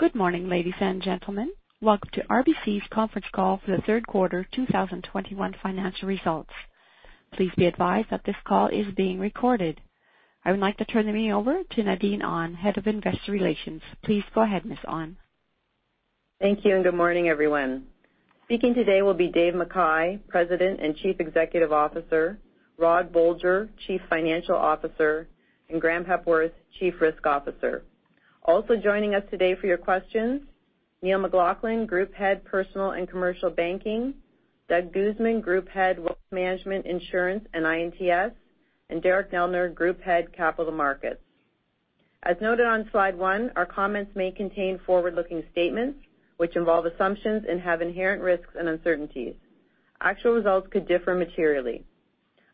Good morning, ladies and gentlemen. Welcome to RBC's conference call for the third quarter 2021 financial results. Please be advised that this call is being recorded. I would like to turn the meeting over to Nadine Ahn, Head of Investor Relations. Please go ahead, Ms. Ahn. Thank you. Good morning, everyone. Speaking today will be Dave McKay, President and Chief Executive Officer, Rod Bolger, Chief Financial Officer, and Graeme Hepworth, Chief Risk Officer. Also joining us today for your questions, Neil McLaughlin, Group Head Personal and Commercial Banking, Doug Guzman, Group Head Wealth Management, Insurance, and I&TS, and Derek Neldner, Group Head Capital Markets. As noted on slide one, our comments may contain forward-looking statements, which involve assumptions and have inherent risks and uncertainties. Actual results could differ materially.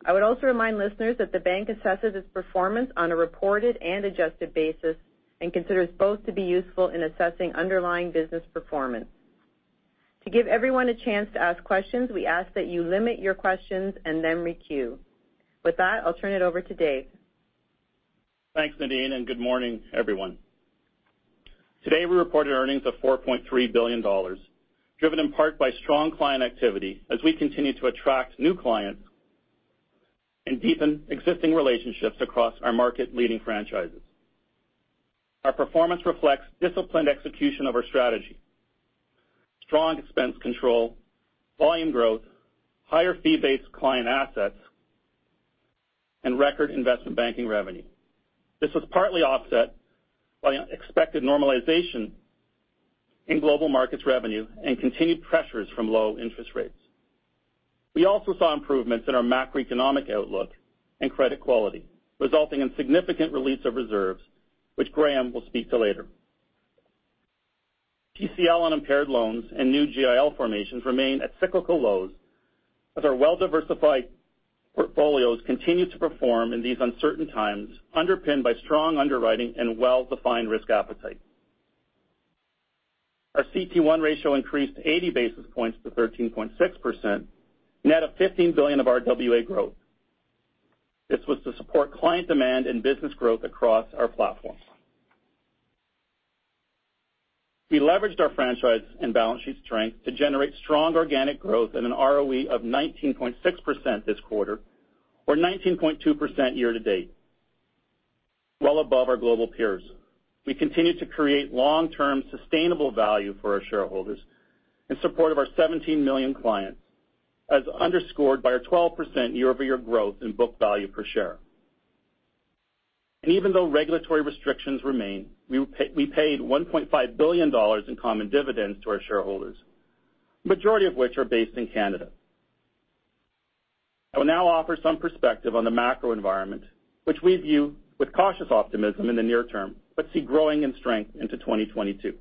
I would also remind listeners that the bank assesses its performance on a reported and adjusted basis and considers both to be useful in assessing underlying business performance. To give everyone a chance to ask questions, we ask that you limit your questions and then re-queue. With that, I'll turn it over to Dave. Thanks, Nadine. Good morning, everyone. Today, we reported earnings of 4.3 billion dollars, driven in part by strong client activity as we continue to attract new clients and deepen existing relationships across our market-leading franchises. Our performance reflects disciplined execution of our strategy, strong expense control, volume growth, higher fee-based client assets, and record investment banking revenue. This was partly offset by an expected normalization in global markets revenue and continued pressures from low interest rates. We also saw improvements in our macroeconomic outlook and credit quality, resulting in significant release of reserves, which Graeme will speak to later. PCL on impaired loans and new GIL formations remain at cyclical lows as our well-diversified portfolios continue to perform in these uncertain times, underpinned by strong underwriting and well-defined risk appetite. Our CET1 ratio increased 80 basis points to 13.6%, net of CAD 15 billion of RWA growth. This was to support client demand and business growth across our platforms. We leveraged our franchise and balance sheet strength to generate strong organic growth and an ROE of 19.6% this quarter or 19.2% year-to-date, well above our global peers. We continue to create long-term sustainable value for our shareholders in support of our 17 million clients, as underscored by our 12% year-over-year growth in book value per share. Even though regulatory restrictions remain, we paid 1.5 billion dollars in common dividends to our shareholders, majority of which are based in Canada. I will now offer some perspective on the macro environment, which we view with cautious optimism in the near term, but see growing in strength into 2022.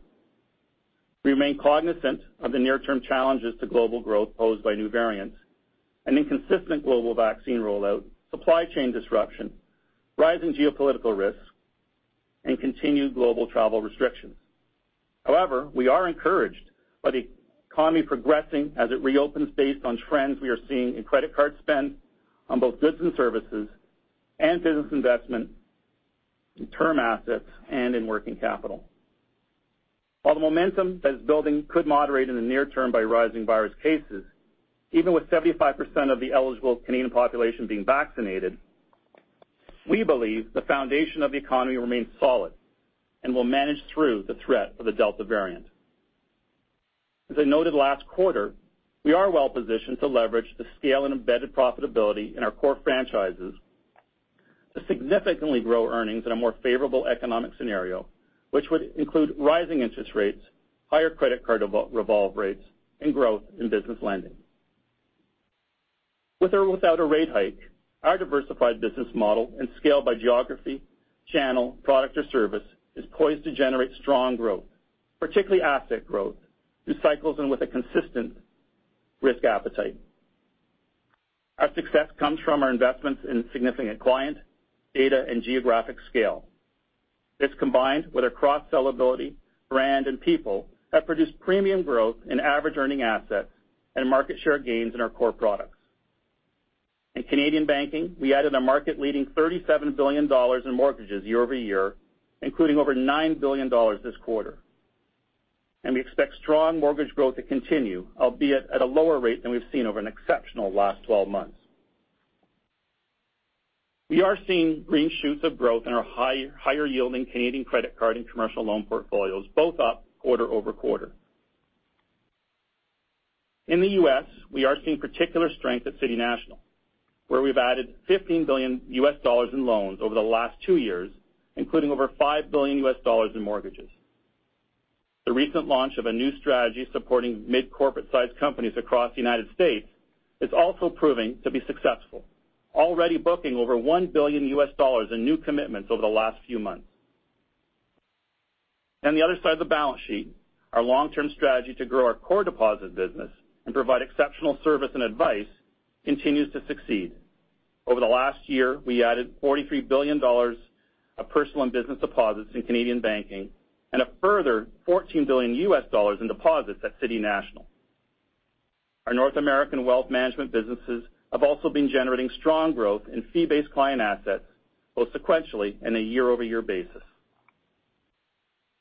We remain cognizant of the near-term challenges to global growth posed by new variants, an inconsistent global vaccine rollout, supply chain disruption, rising geopolitical risks, and continued global travel restrictions. However, we are encouraged by the economy progressing as it reopens based on trends we are seeing in credit card spend on both goods and services and business investment in term assets and in working capital. While the momentum that is building could moderate in the near term by rising virus cases, even with 75% of the eligible Canadian population being vaccinated, we believe the foundation of the economy remains solid and will manage through the threat of the Delta variant. As I noted last quarter, we are well-positioned to leverage the scale and embedded profitability in our core franchises to significantly grow earnings in a more favorable economic scenario, which would include rising interest rates, higher credit card revolve rates, and growth in business lending. With or without a rate hike, our diversified business model and scale by geography, channel, product or service is poised to generate strong growth, particularly asset growth, through cycles and with a consistent risk appetite. Our success comes from our investments in significant client, data, and geographic scale. This, combined with our cross-sell ability, brand, and people, have produced premium growth in average earning assets and market share gains in our core products. In Canadian banking, we added a market-leading 37 billion dollars in mortgages year-over-year, including over 9 billion dollars this quarter. We expect strong mortgage growth to continue, albeit at a lower rate than we've seen over an exceptional last 12 months. We are seeing green shoots of growth in our higher-yielding Canadian credit card and commercial loan portfolios, both up quarter-over-quarter. In the U.S., we are seeing particular strength at City National, where we've added $15 billion in loans over the last two years, including over $5 billion in mortgages. The recent launch of a new strategy supporting mid-corporate-sized companies across the U.S. is also proving to be successful, already booking over $1 billion in new commitments over the last few months. On the other side of the balance sheet, our long-term strategy to grow our core deposit business and provide exceptional service and advice continues to succeed. Over the last year, we added 43 billion dollars of personal and business deposits in Canadian banking and a further $14 billion in deposits at City National. Our North American Wealth Management businesses have also been generating strong growth in fee-based client assets, both sequentially and a year-over-year basis.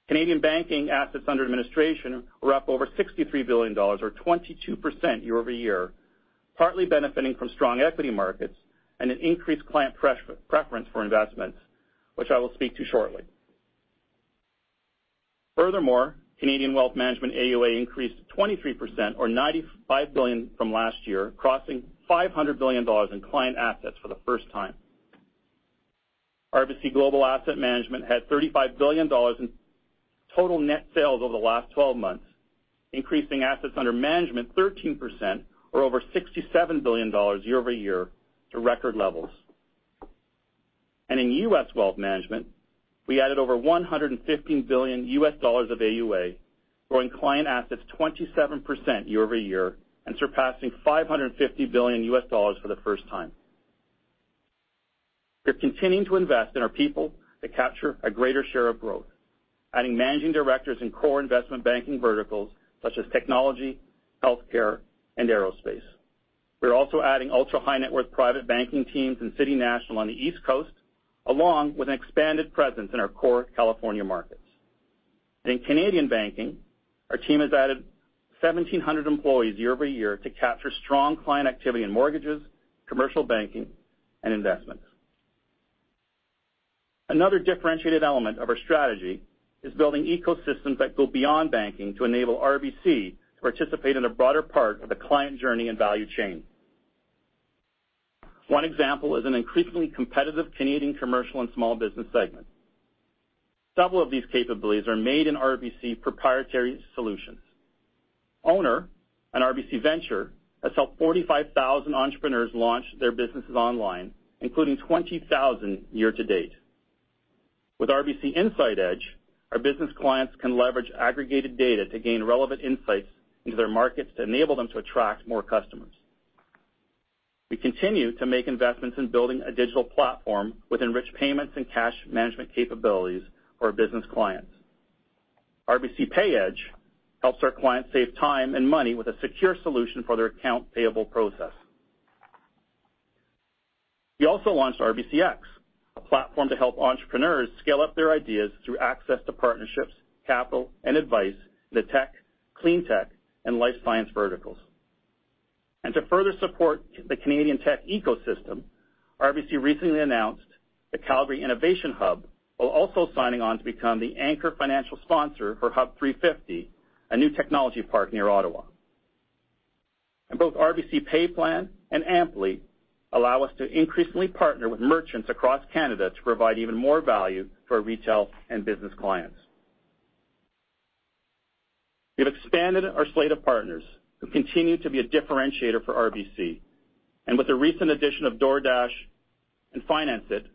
Canadian banking assets under administration were up over 63 billion dollars or 22% year-over-year, partly benefiting from strong equity markets and an increased client preference for investments, which I will speak to shortly. Canadian wealth management AUA increased 23% or 95 billion from last year, crossing 500 billion dollars in client assets for the first time. RBC Global Asset Management had 35 billion dollars in total net sales over the last 12 months, increasing assets under management 13% or over 67 billion dollars year-over-year to record levels. In U.S. wealth management, we added over $115 billion of AUA, growing client assets 27% year-over-year and surpassing $550 billion for the first time. We're continuing to invest in our people to capture a greater share of growth, adding managing directors in core investment banking verticals such as technology, healthcare, and aerospace. We are also adding ultra-high-net-worth private banking teams in City National on the East Coast, along with an expanded presence in our core California markets. In Canadian banking, our team has added 1,700 employees year-over-year to capture strong client activity in mortgages, commercial banking, and investments. Another differentiated element of our strategy is building ecosystems that go beyond banking to enable RBC to participate in a broader part of the client journey and value chain. One example is an increasingly competitive Canadian commercial and small business segment. Several of these capabilities are made in RBC proprietary solutions. Ownr and RBC Ventures has helped 45,000 entrepreneurs launch their businesses online, including 20,000 year-to-date. With RBC Insight Edge, our business clients can leverage aggregated data to gain relevant insights into their markets to enable them to attract more customers. We continue to make investments in building a digital platform with enriched payments and cash management capabilities for our business clients. RBC PayEdge helps our clients save time and money with a secure solution for their account payable process. We also launched RBCx, a platform to help entrepreneurs scale up their ideas through access to partnerships, capital, and advice in the tech, clean tech, and life science verticals. To further support the Canadian tech ecosystem, RBC recently announced the Calgary Innovation Hub, while also signing on to become the anchor financial sponsor for Hub350, a new technology park near Ottawa. Both RBC PayPlan and Ampli allow us to increasingly partner with merchants across Canada to provide even more value for our retail and business clients. We have expanded our slate of partners, who continue to be a differentiator for RBC. With the recent addition of DoorDash and Financeit,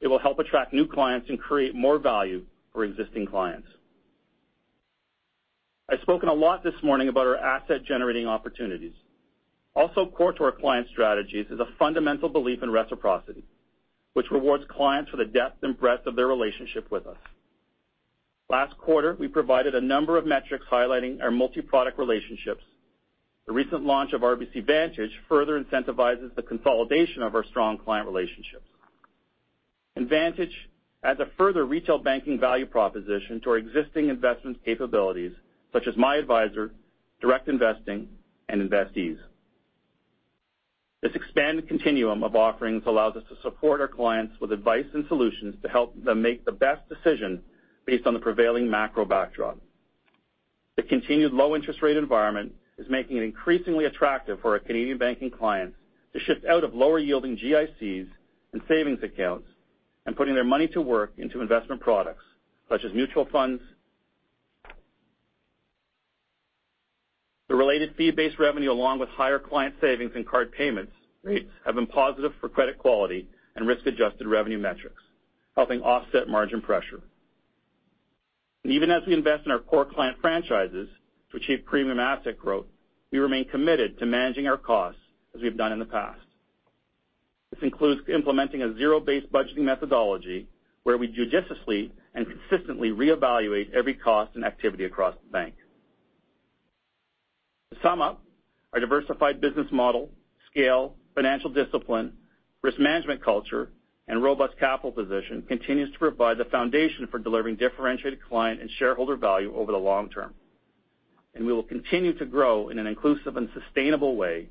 it will help attract new clients and create more value for existing clients. I've spoken a lot this morning about our asset-generating opportunities. Core to our client strategies is a fundamental belief in reciprocity, which rewards clients for the depth and breadth of their relationship with us. Last quarter, we provided a number of metrics highlighting our multi-product relationships. The recent launch of RBC Vantage further incentivizes the consolidation of our strong client relationships. Vantage adds a further retail banking value proposition to our existing investment capabilities, such as MyAdvisor, direct investing, and InvestEase. This expanded continuum of offerings allows us to support our clients with advice and solutions to help them make the best decision based on the prevailing macro backdrop. The continued low interest rate environment is making it increasingly attractive for our Canadian banking clients to shift out of lower yielding GICs and savings accounts and putting their money to work into investment products such as mutual funds. The related fee-based revenue, along with higher client savings and card payments rates, have been positive for credit quality and risk-adjusted revenue metrics, helping offset margin pressure. Even as we invest in our core client franchises to achieve premium asset growth, we remain committed to managing our costs as we've done in the past. This includes implementing a zero-based budgeting methodology where we judiciously and consistently reevaluate every cost and activity across the bank. To sum up, our diversified business model, scale, financial discipline, risk management culture, and robust capital position continues to provide the foundation for delivering differentiated client and shareholder value over the long term. We will continue to grow in an inclusive and sustainable way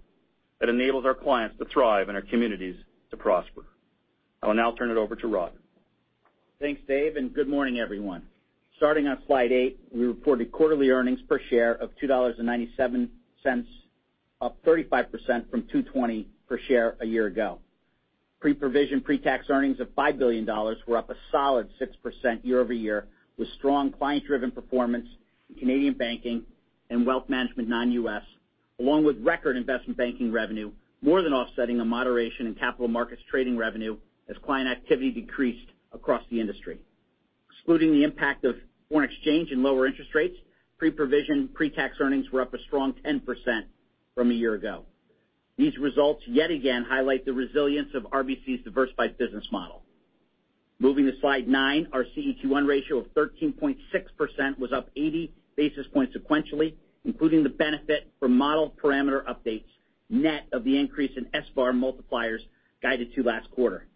that enables our clients to thrive and our communities to prosper. I will now turn it over to Rod. Thanks, Dave, and good morning, everyone. Starting on slide eight, we reported quarterly earnings per share of 2.97 dollars, up 35% from 2.20 per share a year ago. Pre-provision, pre-tax earnings of five billion dollars were up a solid 6% year-over-year, with strong client-driven performance in Canadian banking and wealth management non-U.S., along with record investment banking revenue, more than offsetting a moderation in capital markets trading revenue as client activity decreased across the industry. Excluding the impact of foreign exchange and lower interest rates, pre-provision, pre-tax earnings were up a strong 10% from a year ago. These results yet again highlight the resilience of RBC's diversified business model. Moving to slide nine, our CET1 ratio of 13.6% was up 80 basis points sequentially, including the benefit from model parameter updates, net of the increase in SVaR multipliers guided to last quarter.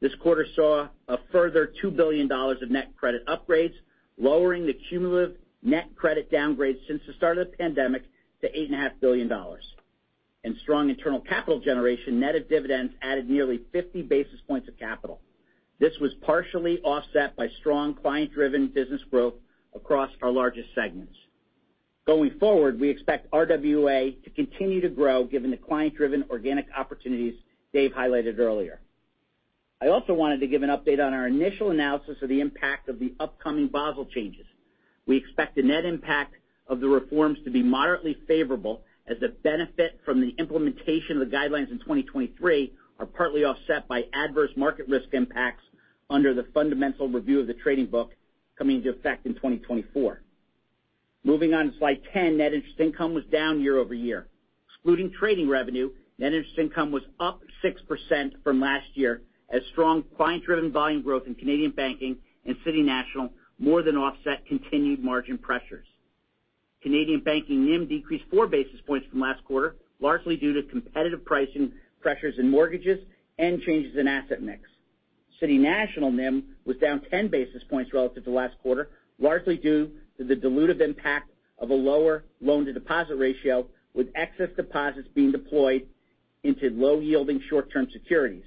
This quarter saw a further two billion dollars of net credit upgrades, lowering the cumulative net credit downgrade since the start of the pandemic to 8.5 billion dollars. Strong internal capital generation, net of dividends, added nearly 50 basis points of capital. This was partially offset by strong client-driven business growth across our largest segments. Going forward, we expect RWA to continue to grow given the client-driven organic opportunities Dave highlighted earlier. I also wanted to give an update on our initial analysis of the impact of the upcoming Basel changes. We expect the net impact of the reforms to be moderately favorable as the benefit from the implementation of the guidelines in 2023 are partly offset by adverse market risk impacts under the Fundamental Review of the Trading Book coming into effect in 2024. Moving on to slide 10. Net interest income was down year-over-year. Excluding trading revenue, net interest income was up 6% from last year, as strong client-driven volume growth in Canadian Banking and City National more than offset continued margin pressures. Canadian Banking NIM decreased four basis points from last quarter, largely due to competitive pricing pressures in mortgages and changes in asset mix. City National NIM was down 10 basis points relative to last quarter, largely due to the dilutive impact of a lower loan-to-deposit ratio, with excess deposits being deployed into low-yielding short-term securities.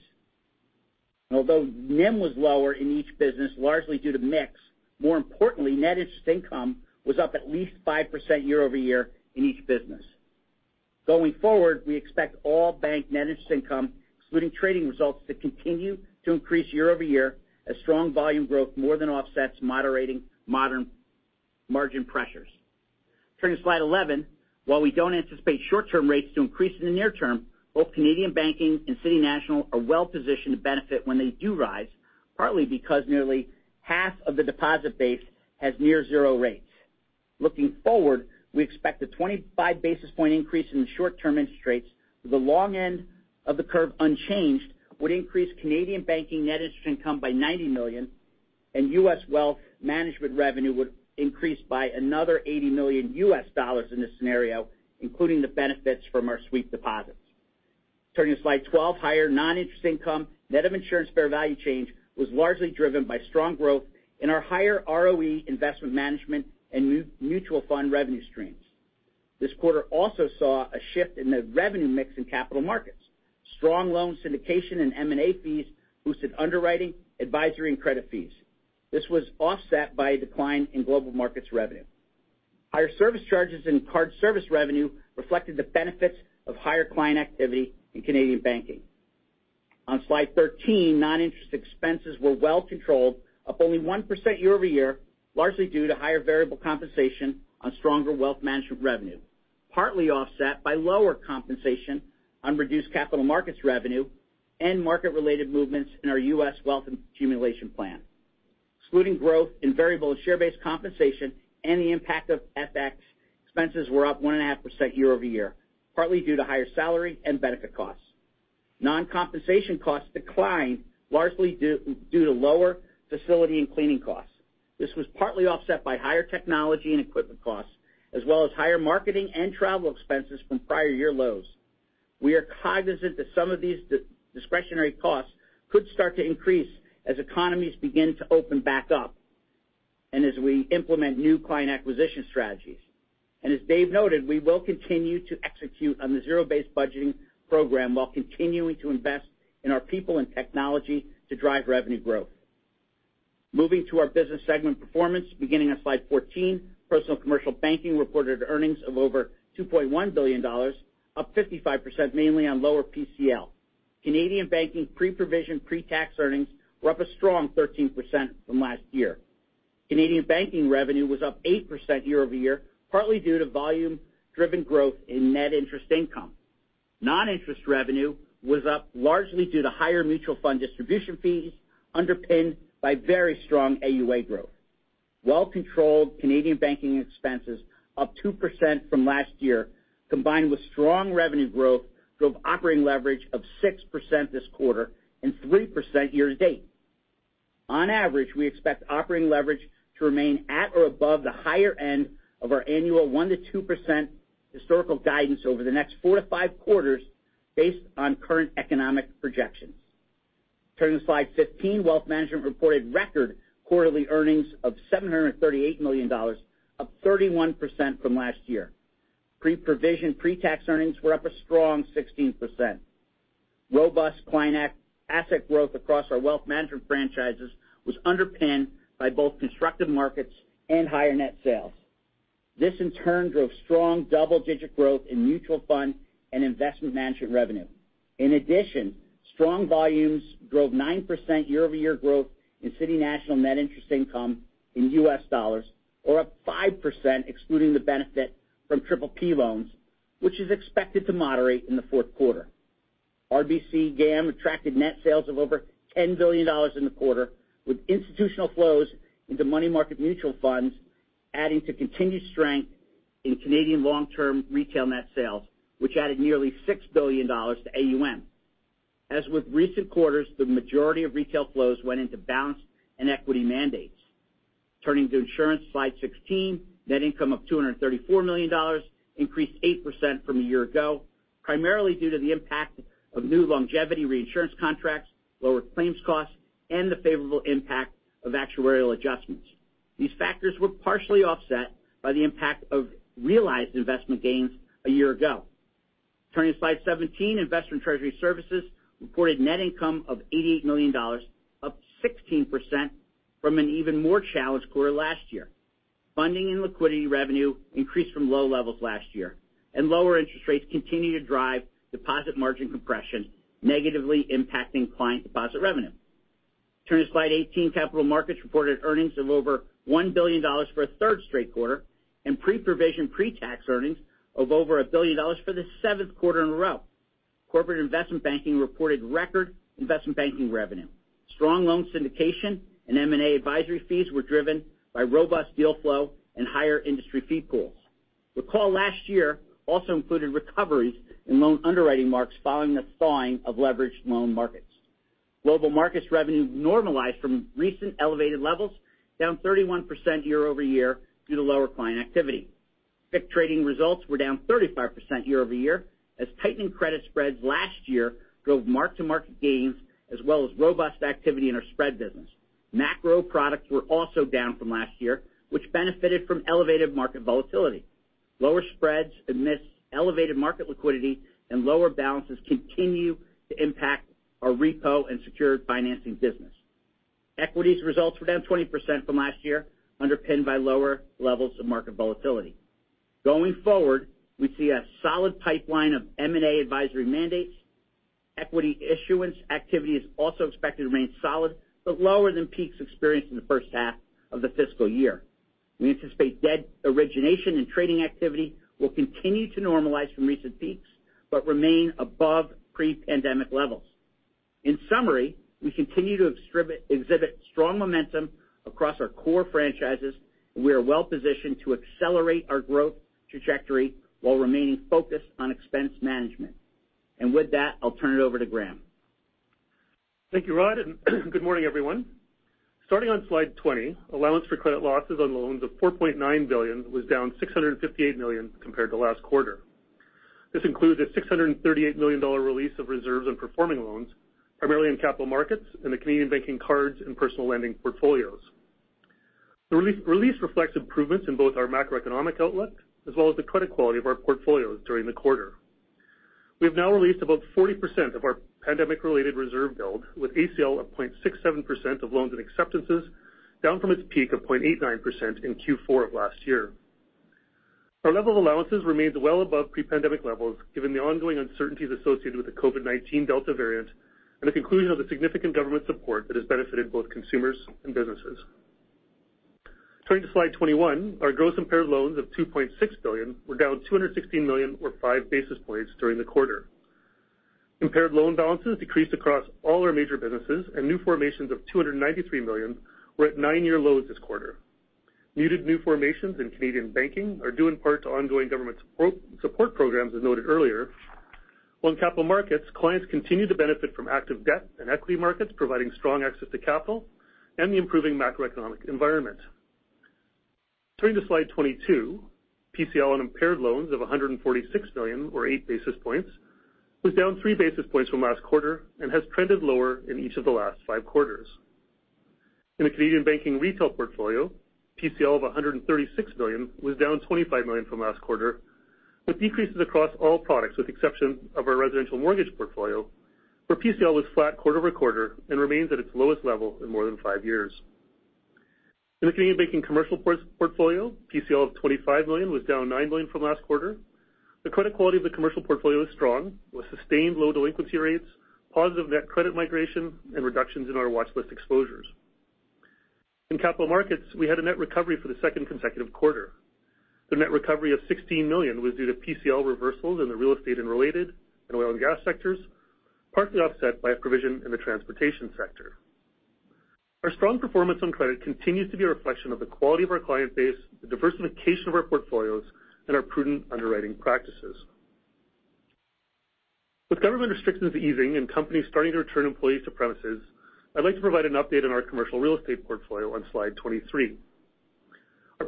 Although NIM was lower in each business, largely due to mix, more importantly, net interest income was up at least 5% year-over-year in each business. Going forward, we expect all bank net interest income, excluding trading results, to continue to increase year-over-year as strong volume growth more than offsets moderating margin pressures. Turning to slide 11. While we don't anticipate short-term rates to increase in the near term, both Canadian banking and City National are well-positioned to benefit when they do rise, partly because nearly half of the deposit base has near zero rates. Looking forward, we expect a 25 basis points increase in the short-term interest rates, with the long end of the curve unchanged, would increase Canadian banking net interest income by 90 million, and U.S. wealth management revenue would increase by another CAD 80 million in this scenario, including the benefits from our sweep deposits. Turning to slide 12. Higher non-interest income, net of insurance fair value change, was largely driven by strong growth in our higher ROE investment management and mutual fund revenue streams. This quarter also saw a shift in the revenue mix in capital markets. Strong loan syndication and M&A fees boosted underwriting, advisory, and credit fees. This was offset by a decline in global markets revenue. Higher service charges and card service revenue reflected the benefits of higher client activity in Canadian Banking. On slide 13, non-interest expenses were well controlled, up only 1% year-over-year, largely due to higher variable compensation on stronger wealth management revenue. Partly offset by lower compensation on reduced capital markets revenue and market-related movements in our U.S. wealth accumulation plan. Excluding growth in variable and share-based compensation and the impact of FX, expenses were up 1.5% year-over-year, partly due to higher salary and benefit costs. Non-compensation costs declined, largely due to lower facility and cleaning costs. This was partly offset by higher technology and equipment costs, as well as higher marketing and travel expenses from prior year lows. We are cognizant that some of these discretionary costs could start to increase as economies begin to open back up, as we implement new client acquisition strategies. As Dave noted, we will continue to execute on the zero-based budgeting program while continuing to invest in our people and technology to drive revenue growth. Moving to our business segment performance, beginning on slide 14. Personal and Commercial Banking reported earnings of over 2.1 billion dollars, up 55%, mainly on lower PCL. Canadian Banking pre-provision, pre-tax earnings were up a strong 13% from last year. Canadian Banking revenue was up 8% year-over-year, partly due to volume-driven growth in net interest income. Non-interest revenue was up largely due to higher mutual fund distribution fees, underpinned by very strong AUA growth. Well-controlled Canadian banking expenses, up 2% from last year, combined with strong revenue growth, drove operating leverage of 6% this quarter and 3% year-to-date. On average, we expect operating leverage to remain at or above the higher end of our annual 1%-2% historical guidance over the next four to five quarters based on current economic projections. Turning to slide 15. Wealth Management reported record quarterly earnings of 738 million dollars, up 31% from last year. Pre-provision, pre-tax earnings were up a strong 16%. Robust client asset growth across our Wealth Management franchises was underpinned by both constructive markets and higher net sales. This in turn drove strong double-digit growth in mutual fund and investment management revenue. In addition, strong volumes drove 9% year-over-year growth in City National net interest income in US dollars or up 5% excluding the benefit from PPP loans, which is expected to moderate in the fourth quarter. RBC GAM attracted net sales of over 10 billion dollars in the quarter, with institutional flows into money market mutual funds. Adding to continued strength in Canadian long-term retail net sales, which added nearly 6 billion dollars to AUM. As with recent quarters, the majority of retail flows went into balanced and equity mandates. Turning to insurance, slide 16. Net income of 234 million dollars increased 8% from a year ago, primarily due to the impact of new longevity reinsurance contracts, lower claims costs, and the favorable impact of actuarial adjustments. These factors were partially offset by the impact of realized investment gains a year ago. Turning to slide 17, Investor & Treasury Services reported net income of 88 million dollars, up 16% from an even more challenged quarter last year. Funding and liquidity revenue increased from low levels last year, and lower interest rates continue to drive deposit margin compression, negatively impacting client deposit revenue. Turning to slide 18, Capital Markets reported earnings of over CAD one billion for a third straight quarter, and pre-provision, pre-tax earnings of over CAD one billion for the seventh quarter in a row. Corporate Investment Banking reported record investment banking revenue. Strong loan syndication and M&A advisory fees were driven by robust deal flow and higher industry fee pools. Recall last year also included recoveries in loan underwriting marks following the thawing of leveraged loan markets. Global Markets revenue normalized from recent elevated levels, down 31% year-over-year due to lower client activity. FICC trading results were down 35% year-over-year as tightening credit spreads last year drove mark-to-market gains, as well as robust activity in our spread business. Macro products were also down from last year, which benefited from elevated market volatility. Lower spreads amidst elevated market liquidity and lower balances continue to impact our repo and secured financing business. Equities results were down 20% from last year, underpinned by lower levels of market volatility. Going forward, we see a solid pipeline of M&A advisory mandates. Equity issuance activity is also expected to remain solid, but lower than peaks experienced in the first half of the fiscal year. We anticipate debt origination and trading activity will continue to normalize from recent peaks, but remain above pre-pandemic levels. In summary, we continue to exhibit strong momentum across our core franchises, and we are well positioned to accelerate our growth trajectory while remaining focused on expense management. With that, I'll turn it over to Graeme. Thank you, Rod. Good morning, everyone. Starting on slide 20, allowance for credit losses on loans of 4.9 billion was down 658 million compared to last quarter. This includes a 638 million dollar release of reserves and performing loans, primarily in Capital Markets and the Canadian Banking cards and personal lending portfolios. The release reflects improvements in both our macroeconomic outlook as well as the credit quality of our portfolios during the quarter. We have now released about 40% of our pandemic-related reserve build with ACL of 0.67% of loans and acceptances, down from its peak of 0.89% in Q4 of last year. Our level of allowances remains well above pre-pandemic levels, given the ongoing uncertainties associated with the COVID-19 Delta variant and the conclusion of the significant government support that has benefited both consumers and businesses. Turning to slide 21, our gross impaired loans of 2.6 billion were down 216 million or five basis points during the quarter. Impaired loan balances decreased across all our major businesses. New formations of 293 million were at nine-year lows this quarter. Muted new formations in Canadian Banking are due in part to ongoing government support programs, as noted earlier. While in capital markets, clients continue to benefit from active debt and equity markets providing strong access to capital and the improving macroeconomic environment. Turning to slide 22, PCL on impaired loans of 146 million or eight basis points was down three basis points from last quarter and has trended lower in each of the last five quarters. In the Canadian banking retail portfolio, PCL of 136 million was down 25 million from last quarter, with decreases across all products, with the exception of our residential mortgage portfolio where PCL was flat quarter-over-quarter and remains at its lowest level in more than five years. In the Canadian banking commercial portfolio, PCL of 25 million was down 9 million from last quarter. The credit quality of the commercial portfolio is strong, with sustained low delinquency rates, positive net credit migration, and reductions in our watchlist exposures. In capital markets, we had a net recovery for the second consecutive quarter. The net recovery of 16 million was due to PCL reversals in the real estate and related and oil and gas sectors, partly offset by a provision in the transportation sector. Our strong performance on credit continues to be a reflection of the quality of our client base, the diversification of our portfolios, and our prudent underwriting practices. With government restrictions easing and companies starting to return employees to premises, I'd like to provide an update on our commercial real estate portfolio on slide 23. As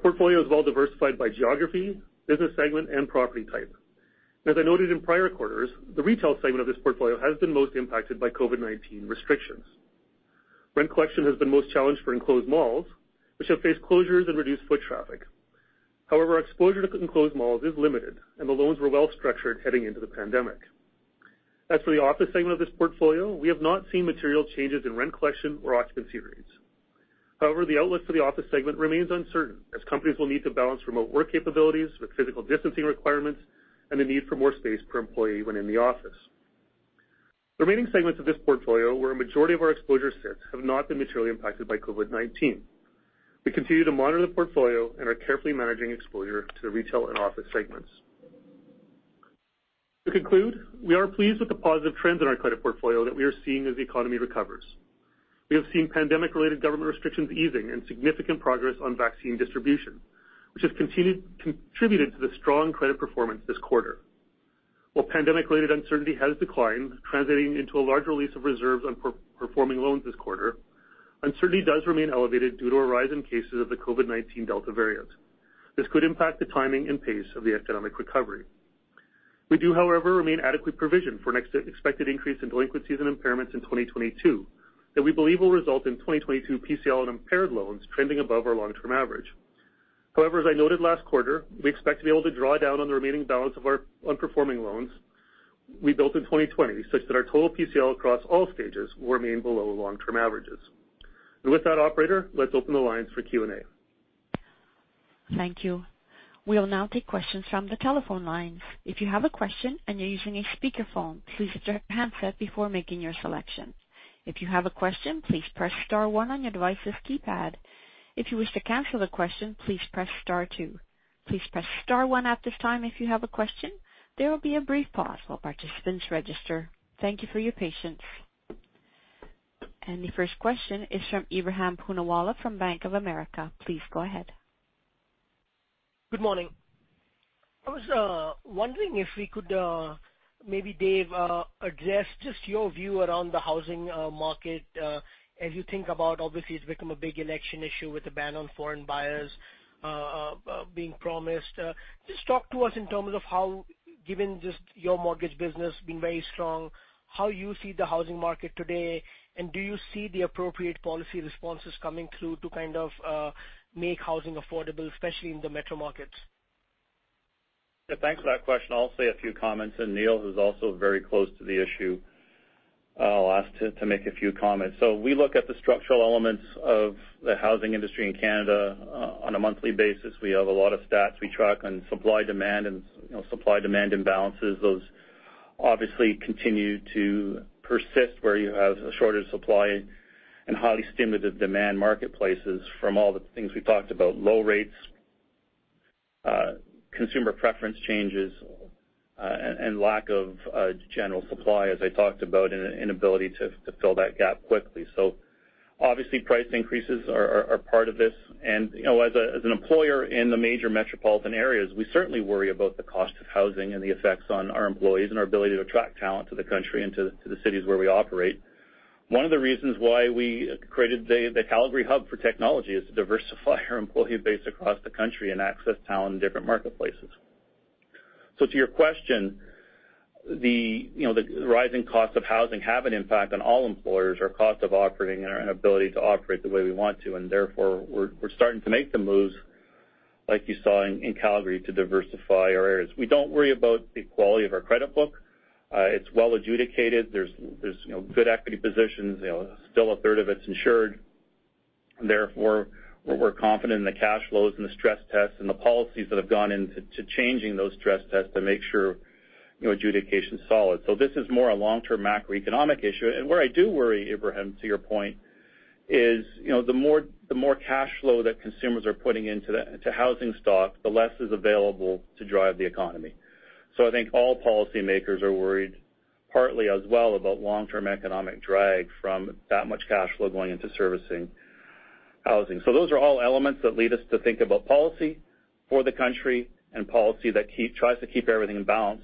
I noted in prior quarters, the retail segment of this portfolio has been most impacted by COVID-19 restrictions. Rent collection has been most challenged for enclosed malls, which have faced closures and reduced foot traffic. However, our exposure to enclosed malls is limited, and the loans were well-structured heading into the pandemic. As for the office segment of this portfolio, we have not seen material changes in rent collection or occupancy rates. The outlook for the office segment remains uncertain, as companies will need to balance remote work capabilities with physical distancing requirements and the need for more space per employee when in the office. The remaining segments of this portfolio, where a majority of our exposure sits, have not been materially impacted by COVID-19. We continue to monitor the portfolio and are carefully managing exposure to the retail and office segments. To conclude, we are pleased with the positive trends in our credit portfolio that we are seeing as the economy recovers. We have seen pandemic-related government restrictions easing and significant progress on vaccine distribution, which has contributed to the strong credit performance this quarter. Pandemic-related uncertainty has declined, translating into a large release of reserves on performing loans this quarter, uncertainty does remain elevated due to a rise in cases of the COVID-19 Delta variant. This could impact the timing and pace of the economic recovery. We do, however, remain adequately provisioned for an expected increase in delinquencies and impairments in 2022 that we believe will result in 2022 PCL and impaired loans trending above our long-term average. However, as I noted last quarter, we expect to be able to draw down on the remaining balance of our on performing loans we built in 2020, such that our total PCL across all stages will remain below long-term averages. With that, operator, let's open the lines for Q&A. Thank you. We'll now take questions from the telephone lines. The first question is from Ebrahim Poonawala from Bank of America. Please go ahead. Good morning. I was wondering if we could, maybe Dave, address just your view around the housing market as you think about, obviously, it's become a big election issue with the ban on foreign buyers being promised. Just talk to us in terms of how, given just your mortgage business being very strong, how you see the housing market today, and do you see the appropriate policy responses coming through to kind of make housing affordable, especially in the metro markets? Yeah. Thanks for that question. I'll say a few comments, and Neil, who's also very close to the issue, I'll ask to make a few comments. We look at the structural elements of the housing industry in Canada on a monthly basis. We have a lot of stats we track on supply, demand, and supply-demand imbalances. Those obviously continue to persist where you have a shortage of supply and highly stimulative demand marketplaces from all the things we talked about, low rates, consumer preference changes, and lack of general supply as I talked about, an inability to fill that gap quickly. Obviously, price increases are part of this. As an employer in the major metropolitan areas, we certainly worry about the cost of housing and the effects on our employees and our ability to attract talent to the country and to the cities where we operate. One of the reasons why we created the Calgary hub for technology is to diversify our employee base across the country and access talent in different marketplaces. To your question, the rising cost of housing have an impact on all employers, our cost of operating and our inability to operate the way we want to, and therefore, we're starting to make the moves like you saw in Calgary to diversify our areas. We don't worry about the quality of our credit book. It's well adjudicated. There's good equity positions. Still a third of it's insured. Therefore, we're confident in the cash flows and the stress tests and the policies that have gone into changing those stress tests to make sure adjudication's solid. This is more a long-term macroeconomic issue. Where I do worry, Ebrahim, to your point, is the more cash flow that consumers are putting into housing stock, the less is available to drive the economy. I think all policymakers are worried partly as well about long-term economic drag from that much cash flow going into servicing housing. Those are all elements that lead us to think about policy for the country and policy that tries to keep everything in balance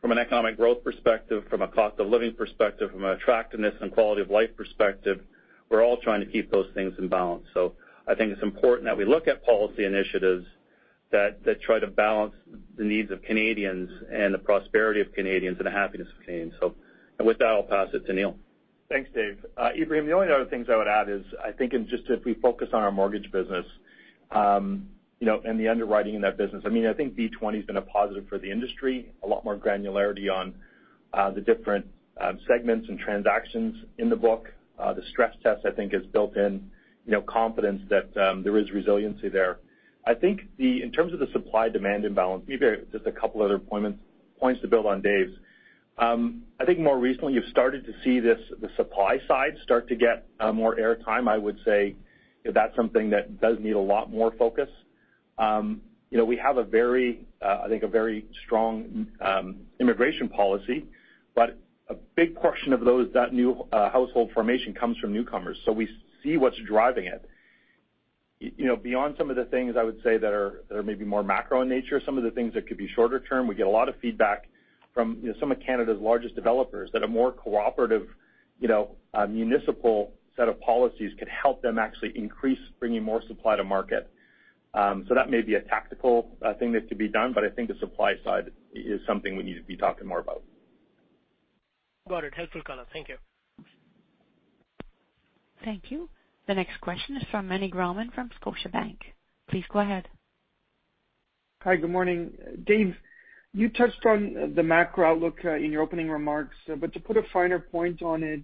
from an economic growth perspective, from a cost of living perspective, from an attractiveness and quality of life perspective. We're all trying to keep those things in balance. I think it's important that we look at policy initiatives that try to balance the needs of Canadians and the prosperity of Canadians and the happiness of Canadians. With that, I'll pass it to Neil. Thanks, Dave. Ebrahim, the only other things I would add is I think if we focus on our mortgage business and the underwriting in that business, I think B20 has been a positive for the industry, a lot more granularity on the different segments and transactions in the book. The stress test I think has built in confidence that there is resiliency there. I think in terms of the supply-demand imbalance, maybe just a couple other points to build on Dave's. I think more recently, you've started to see the supply side start to get more air time. I would say that's something that does need a lot more focus. We have a very strong immigration policy, a big portion of that new household formation comes from newcomers. We see what's driving it. Beyond some of the things I would say that are maybe more macro in nature, some of the things that could be shorter term, we get a lot of feedback from some of Canada's largest developers that a more cooperative municipal set of policies could help them actually increase bringing more supply to market. That may be a tactical thing that could be done, but I think the supply side is something we need to be talking more about. Got it. Helpful color. Thank you. Thank you. The next question is from Meny Grauman from Scotiabank. Please go ahead. Hi, good morning. Dave, you touched on the macro outlook in your opening remarks, but to put a finer point on it,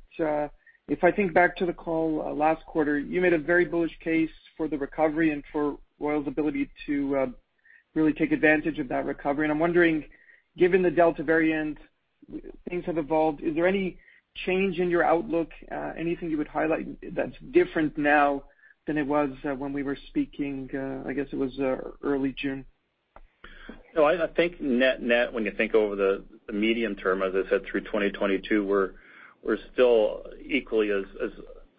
if I think back to the call last quarter, you made a very bullish case for the recovery and for Royal's ability to really take advantage of that recovery. I'm wondering, given the Delta variant, things have evolved. Is there any change in your outlook? Anything you would highlight that's different now than it was when we were speaking, I guess it was early June? I think net-net, when you think over the medium term, as I said, through 2022, we're still equally as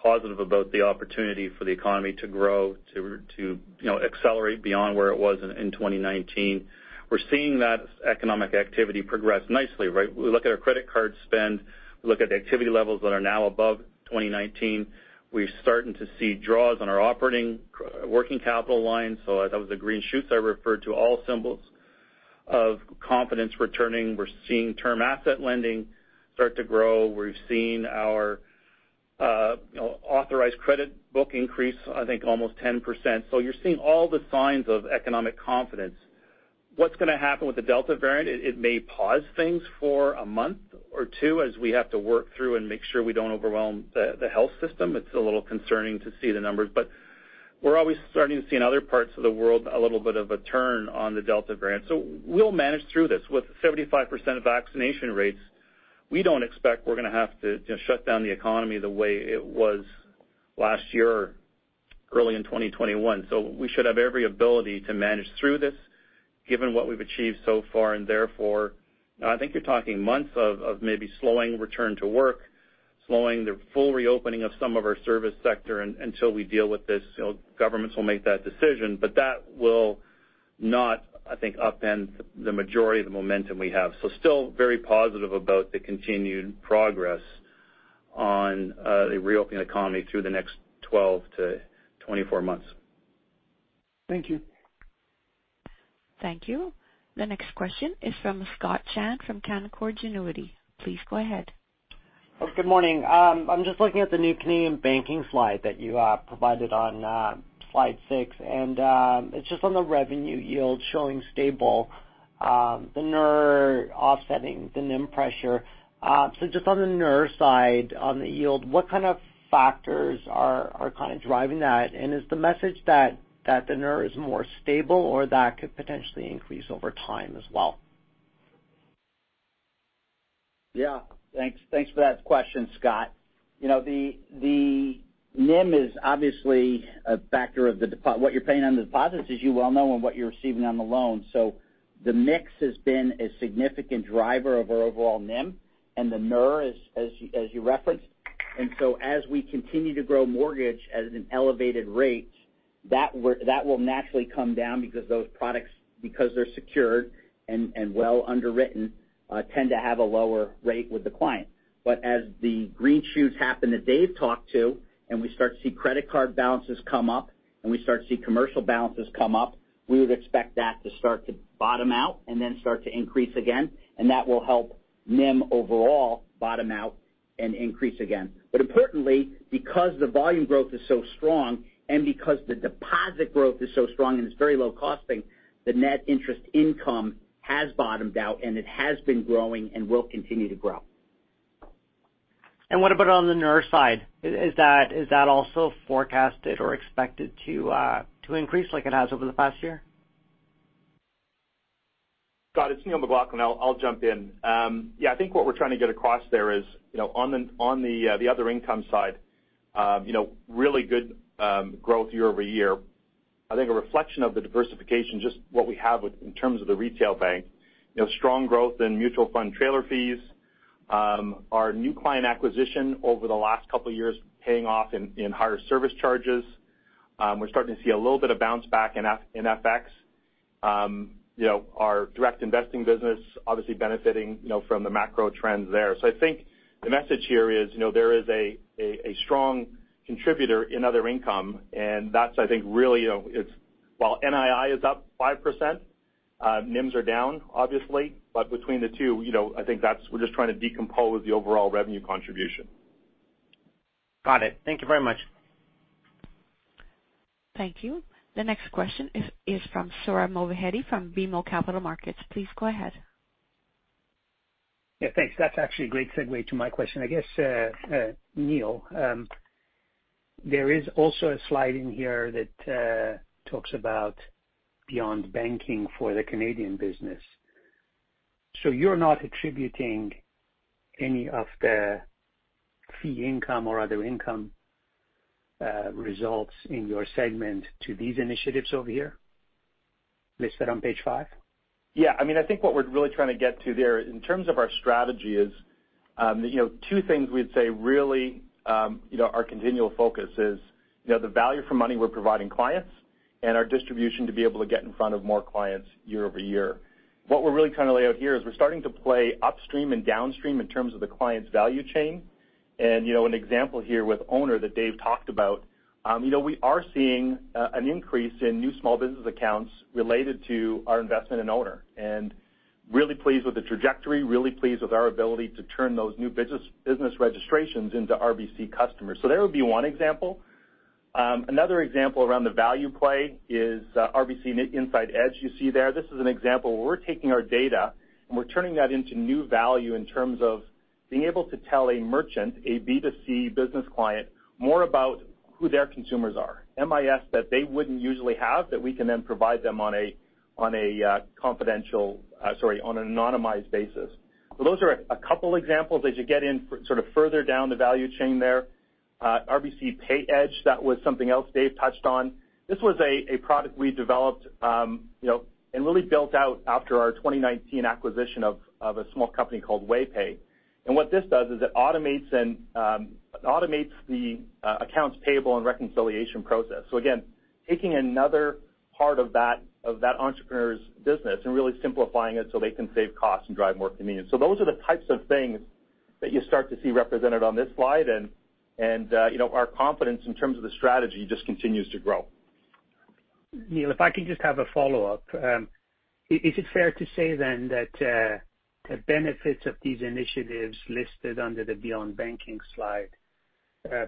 positive about the opportunity for the economy to grow to accelerate beyond where it was in 2019. We're seeing that economic activity progress nicely, right? We look at our credit card spend, we look at the activity levels that are now above 2019. We're starting to see draws on our operating working capital line. That was the green shoots I referred to, all symbols of confidence returning. We're seeing term asset lending start to grow. We've seen our authorized credit book increase, I think, almost 10%. You're seeing all the signs of economic confidence. What's going to happen with the Delta variant? It may pause things for a month or two as we have to work through and make sure we don't overwhelm the health system. It's a little concerning to see the numbers, but we're always starting to see in other parts of the world a little bit of a turn on the Delta variant. We'll manage through this. With 75% vaccination rates, we don't expect we're going to have to shut down the economy the way it was last year or early in 2021. We should have every ability to manage through this given what we've achieved so far. Therefore, I think you're talking months of maybe slowing return to work, slowing the full reopening of some of our service sector until we deal with this. Governments will make that decision, but that will not, I think, upend the majority of the momentum we have. Still very positive about the continued progress on a reopening economy through the next 12-24 months. Thank you. Thank you. The next question is from Scott Chan from Canaccord Genuity. Please go ahead. Good morning. I'm just looking at the new Canadian banking slide that you provided on slide six. It's just on the revenue yield showing stable, the NIR offsetting the NIM pressure. Just on the NIR side, on the yield, what kind of factors are kind of driving that? Is the message that the NIR is more stable or that could potentially increase over time as well? Thanks for that question, Scott Chan. The NIM is obviously a factor of what you're paying on the deposits, as you well know, and what you're receiving on the loans. The mix has been a significant driver of our overall NIM and the NIR, as you referenced. As we continue to grow mortgage at an elevated rate, that will naturally come down because those products, because they're secured and well underwritten, tend to have a lower rate with the client. As the green shoots happen that Dave McKay talked to and we start to see credit card balances come up and we start to see commercial balances come up, we would expect that to start to bottom out and then start to increase again, and that will help NIM overall bottom out and increase again. Importantly, because the volume growth is so strong and because the deposit growth is so strong and it's very low costing, the net interest income has bottomed out, and it has been growing and will continue to grow. What about on the NIR side? Is that also forecasted or expected to increase like it has over the past year? Scott, it's Neil McLaughlin. I'll jump in. Yeah, I think what we're trying to get across there is on the other income side really good growth year-over-year. I think a reflection of the diversification, just what we have in terms of the retail bank, strong growth in mutual fund trailer fees. Our new client acquisition over the last couple of years paying off in higher service charges. We're starting to see a little bit of bounce back in FX. Our direct investing business obviously benefiting from the macro trends there. I think the message here is there is a strong contributor in other income, and that's, I think, really while NII is up 5%, NIMs are down obviously, but between the two, I think we're just trying to decompose the overall revenue contribution. Got it. Thank you very much. Thank you. The next question is from Sohrab Movahedi from BMO Capital Markets. Please go ahead. Yeah, thanks. That's actually a great segue to my question. I guess, Neil, there is also a slide in here that talks about beyond banking for the Canadian business. You're not attributing any of the fee income or other income results in your segment to these initiatives over here listed on page five? Yeah. I mean, I think what we're really trying to get to there in terms of our strategy is two things we'd say really our continual focus is the value for money we're providing clients and our distribution to be able to get in front of more clients year-over-year. What we're really trying to lay out here is we're starting to play upstream and downstream in terms of the client's value chain. An example here with Ownr that Dave talked about. We are seeing an increase in new small business accounts related to our investment in Ownr, and really pleased with the trajectory, really pleased with our ability to turn those new business registrations into RBC customers. That would be one example. Another example around the value play is RBC Insight Edge you see there. This is an example where we're taking our data and we're turning that into new value in terms of. Being able to tell a merchant, a B2C business client, more about who their consumers are, MIS that they wouldn't usually have that we can then provide them on an anonymized basis. Those are a couple examples as you get in further down the value chain there. RBC PayEdge, that was something else Dave touched on. This was a product we developed, and really built out after our 2019 acquisition of a small company called WayPay. What this does is it automates the accounts payable and reconciliation process. Again, taking another part of that entrepreneur's business and really simplifying it so they can save costs and drive more convenience. Those are the types of things that you start to see represented on this slide, and our confidence in terms of the strategy just continues to grow. Neil, if I could just have a follow-up. Is it fair to say that the benefits of these initiatives listed under the Beyond Banking slide,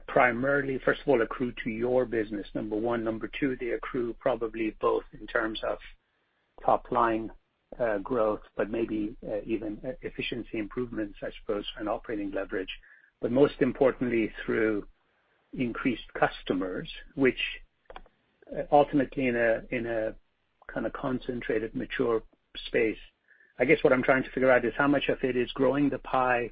primarily, first of all, accrue to your business, number one? Number two, they accrue probably both in terms of top-line growth, but maybe even efficiency improvements, I suppose, and operating leverage, but most importantly through increased customers, which ultimately in a kind of concentrated mature space. I guess what I'm trying to figure out is how much of it is growing the pie,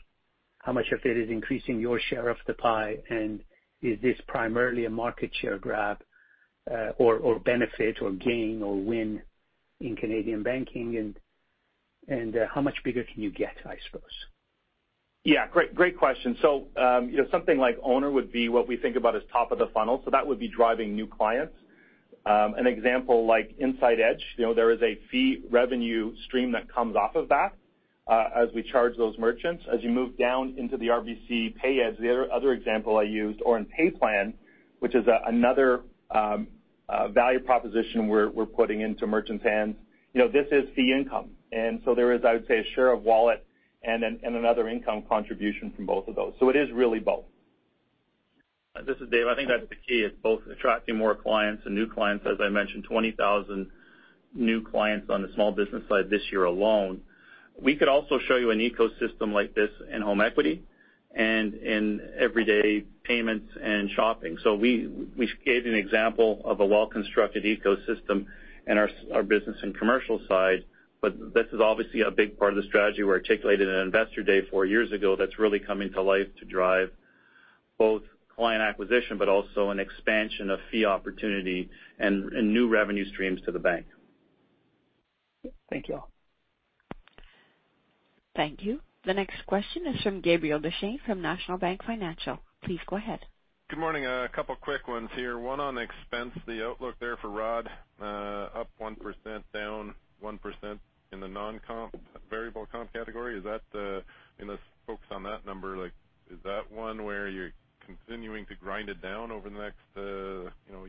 how much of it is increasing your share of the pie, and is this primarily a market share grab or benefit or gain or win in Canadian banking, and how much bigger can you get, I suppose? Yeah. Great question. Something like Ownr would be what we think about as top of the funnel. That would be driving new clients. An example like Insight Edge, there is a fee revenue stream that comes off of that as we charge those merchants. As you move down into the RBC PayEdge, the other example I used, or in PayPlan, which is another value proposition we're putting into merchants' hands, this is fee income. There is, I would say, a share of wallet and another income contribution from both of those. It is really both. This is Dave. I think that's the key. It's both attracting more clients and new clients. As I mentioned, 20,000 new clients on the small business side this year alone. We could also show you an ecosystem like this in home equity and in everyday payments and shopping. We gave an example of a well-constructed ecosystem in our business and commercial side, but this is obviously a big part of the strategy we articulated at Investor Day four years ago that's really coming to life to drive both client acquisition, but also an expansion of fee opportunity and new revenue streams to the bank. Thank you all. Thank you. The next question is from Gabriel Dechaine from National Bank Financial. Please go ahead. Good morning. A couple quick ones here. One on expense, the outlook there for Rod Bolger, up 1%, down 1% in the non-comp variable comp category. Focus on that number, is that one where you're continuing to grind it down over the next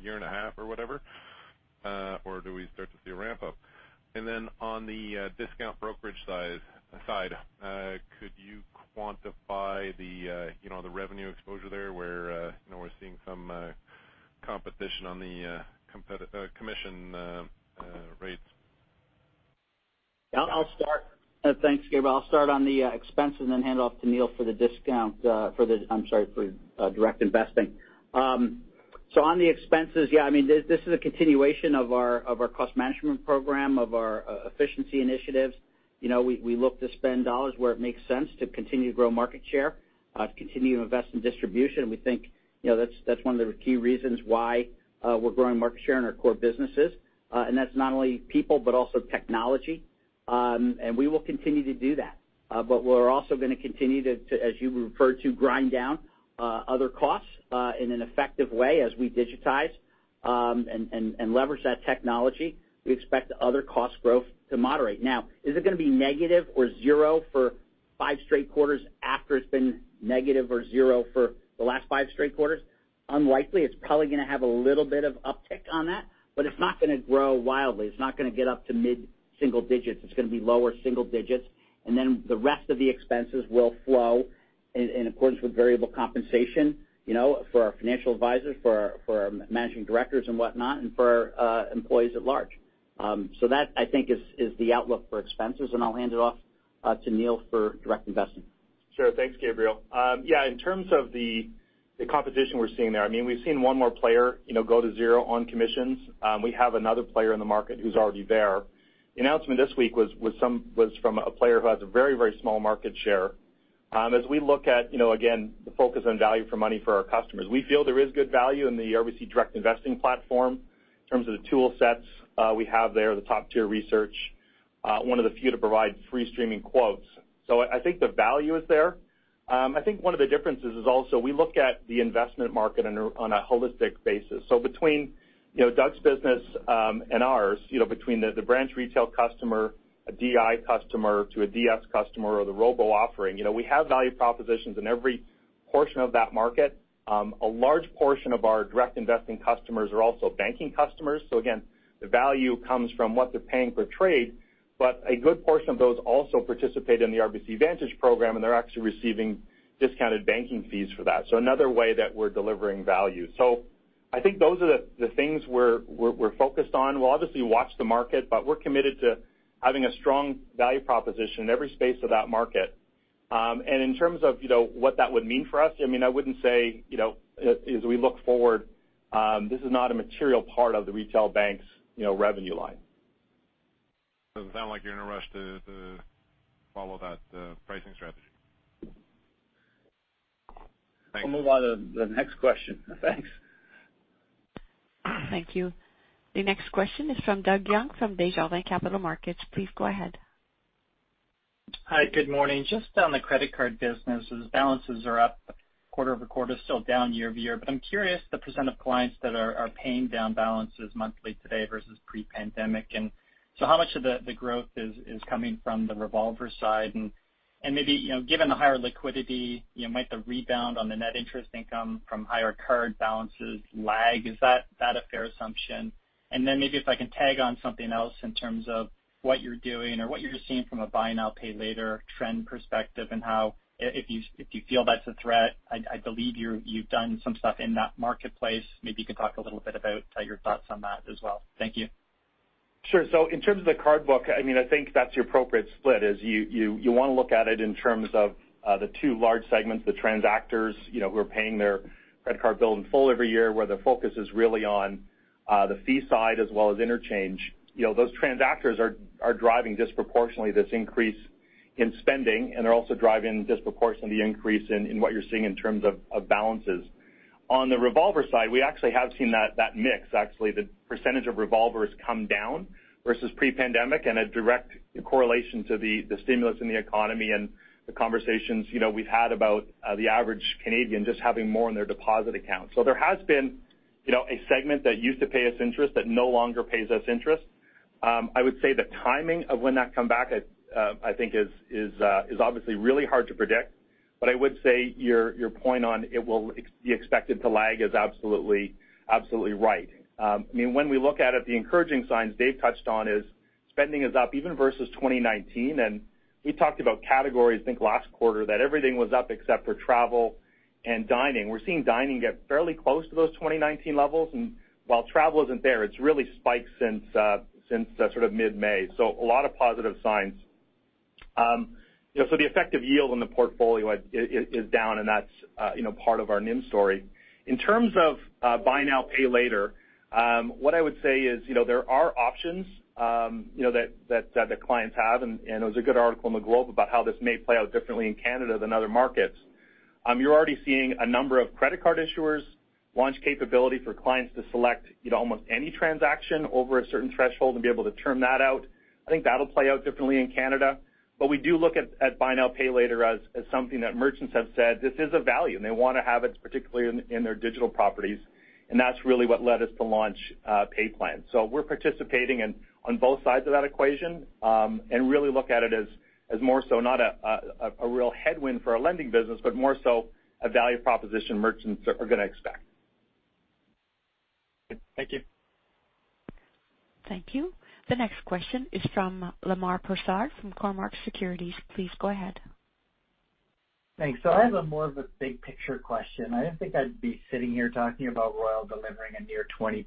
year and a half or whatever? Do we start to see a ramp-up? On the discount brokerage side, could you quantify the revenue exposure there where we're seeing some competition on the commission rates? Thanks, Gabriel. I'll start on the expense and then hand it off to Neil for direct investing. On the expenses, this is a continuation of our cost management program, of our efficiency initiatives. We look to spend dollars where it makes sense to continue to grow market share, to continue to invest in distribution. We think that's one of the key reasons why we're growing market share in our core businesses. That's not only people, but also technology. We will continue to do that. We're also going to continue to, as you referred to, grind down other costs in an effective way as we digitize and leverage that technology. We expect other cost growth to moderate. Is it going to be negative or zero for five straight quarters after it's been negative or zero for the last five straight quarters? Unlikely. It's probably going to have a little bit of uptick on that. It's not going to grow wildly. It's not going to get up to mid-single digits. It's going to be lower single digits. The rest of the expenses will flow in accordance with variable compensation for our financial advisors, for our managing directors and whatnot, and for our employees at large. That I think is the outlook for expenses, and I'll hand it off to Neil for direct investing. Sure. Thanks, Gabriel. In terms of the competition we're seeing there, we've seen one more player go to zero on commissions. We have another player in the market who's already there. The announcement this week was from a player who has a very, very small market share. As we look at, again, the focus on value for money for our customers, we feel there is good value in the RBC Direct Investing platform in terms of the tool sets we have there, the top-tier research, one of the few to provide free streaming quotes. I think the value is there. I think one of the differences is also we look at the investment market on a holistic basis. Between Doug's business and ours, between the branch retail customer, a DI customer to a DS customer or the robo offering, we have value propositions in every portion of that market. A large portion of our direct investing customers are also banking customers. Again, the value comes from what they're paying per trade, but a good portion of those also participate in the RBC Vantage program, and they're actually receiving discounted banking fees for that. Another way that we're delivering value. I think those are the things we're focused on. We'll obviously watch the market, but we're committed to having a strong value proposition in every space of that market. In terms of what that would mean for us, I wouldn't say as we look forward, this is not a material part of the retail bank's revenue line. Doesn't sound like you're in a rush to follow that pricing strategy. Thanks. We'll move on to the next question. Thanks. Thank you. The next question is from Doug Young from Desjardins Capital Markets. Please go ahead. Hi. Good morning. Just on the credit card businesses, balances are up quarter-over-quarter, still down year-over-year. I'm curious, the percent of clients that are paying down balances monthly today versus pre-pandemic. How much of the growth is coming from the revolver side? Maybe given the higher liquidity, might the rebound on the net interest income from higher card balances lag? Is that a fair assumption? Maybe if I can tag on something else in terms of what you're doing or what you're seeing from a buy now pay later trend perspective and how if you feel that's a threat, I believe you've done some stuff in that marketplace. Maybe you could talk a little bit about your thoughts on that as well. Thank you. Sure. In terms of the card book, I think that's the appropriate split is you want to look at it in terms of the two large segments, the transactors who are paying their credit card bill in full every year, where the focus is really on the fee side as well as interchange. Those transactors are driving disproportionately this increase in spending, and they're also driving disproportionately increase in what you're seeing in terms of balances. On the revolver side, we actually have seen that mix actually, the percentage of revolvers come down versus pre-pandemic and a direct correlation to the stimulus in the economy and the conversations we've had about the average Canadian just having more in their deposit account. There has been a segment that used to pay us interest that no longer pays us interest. I would say the timing of when that come back, I think is obviously really hard to predict. I would say your point on it will be expected to lag is absolutely right. When we look at it, the encouraging signs Dave touched on is spending is up even versus 2019. We talked about categories, I think last quarter that everything was up except for travel and dining. We're seeing dining get fairly close to those 2019 levels. While travel isn't there, it's really spiked since sort of mid-May. A lot of positive signs. The effective yield on the portfolio is down, and that's part of our NIM story. In terms of buy now, pay later. What I would say is there are options that clients have, and there was a good article in The Globe and Mail about how this may play out differently in Canada than other markets. You're already seeing a number of credit card issuers launch capability for clients to select almost any transaction over a certain threshold and be able to term that out. I think that'll play out differently in Canada. We do look at buy now, pay later as something that merchants have said this is a value and they want to have it particularly in their digital properties, and that's really what led us to launch PayPlan. We're participating on both sides of that equation and really look at it as more so not a real headwind for our lending business, but more so a value proposition merchants are going to expect. Good. Thank you. Thank you. The next question is from Lemar Persaud from Cormark Securities. Please go ahead. Thanks. I have a more of a big picture question. I didn't think I'd be sitting here talking about Royal delivering a near 20%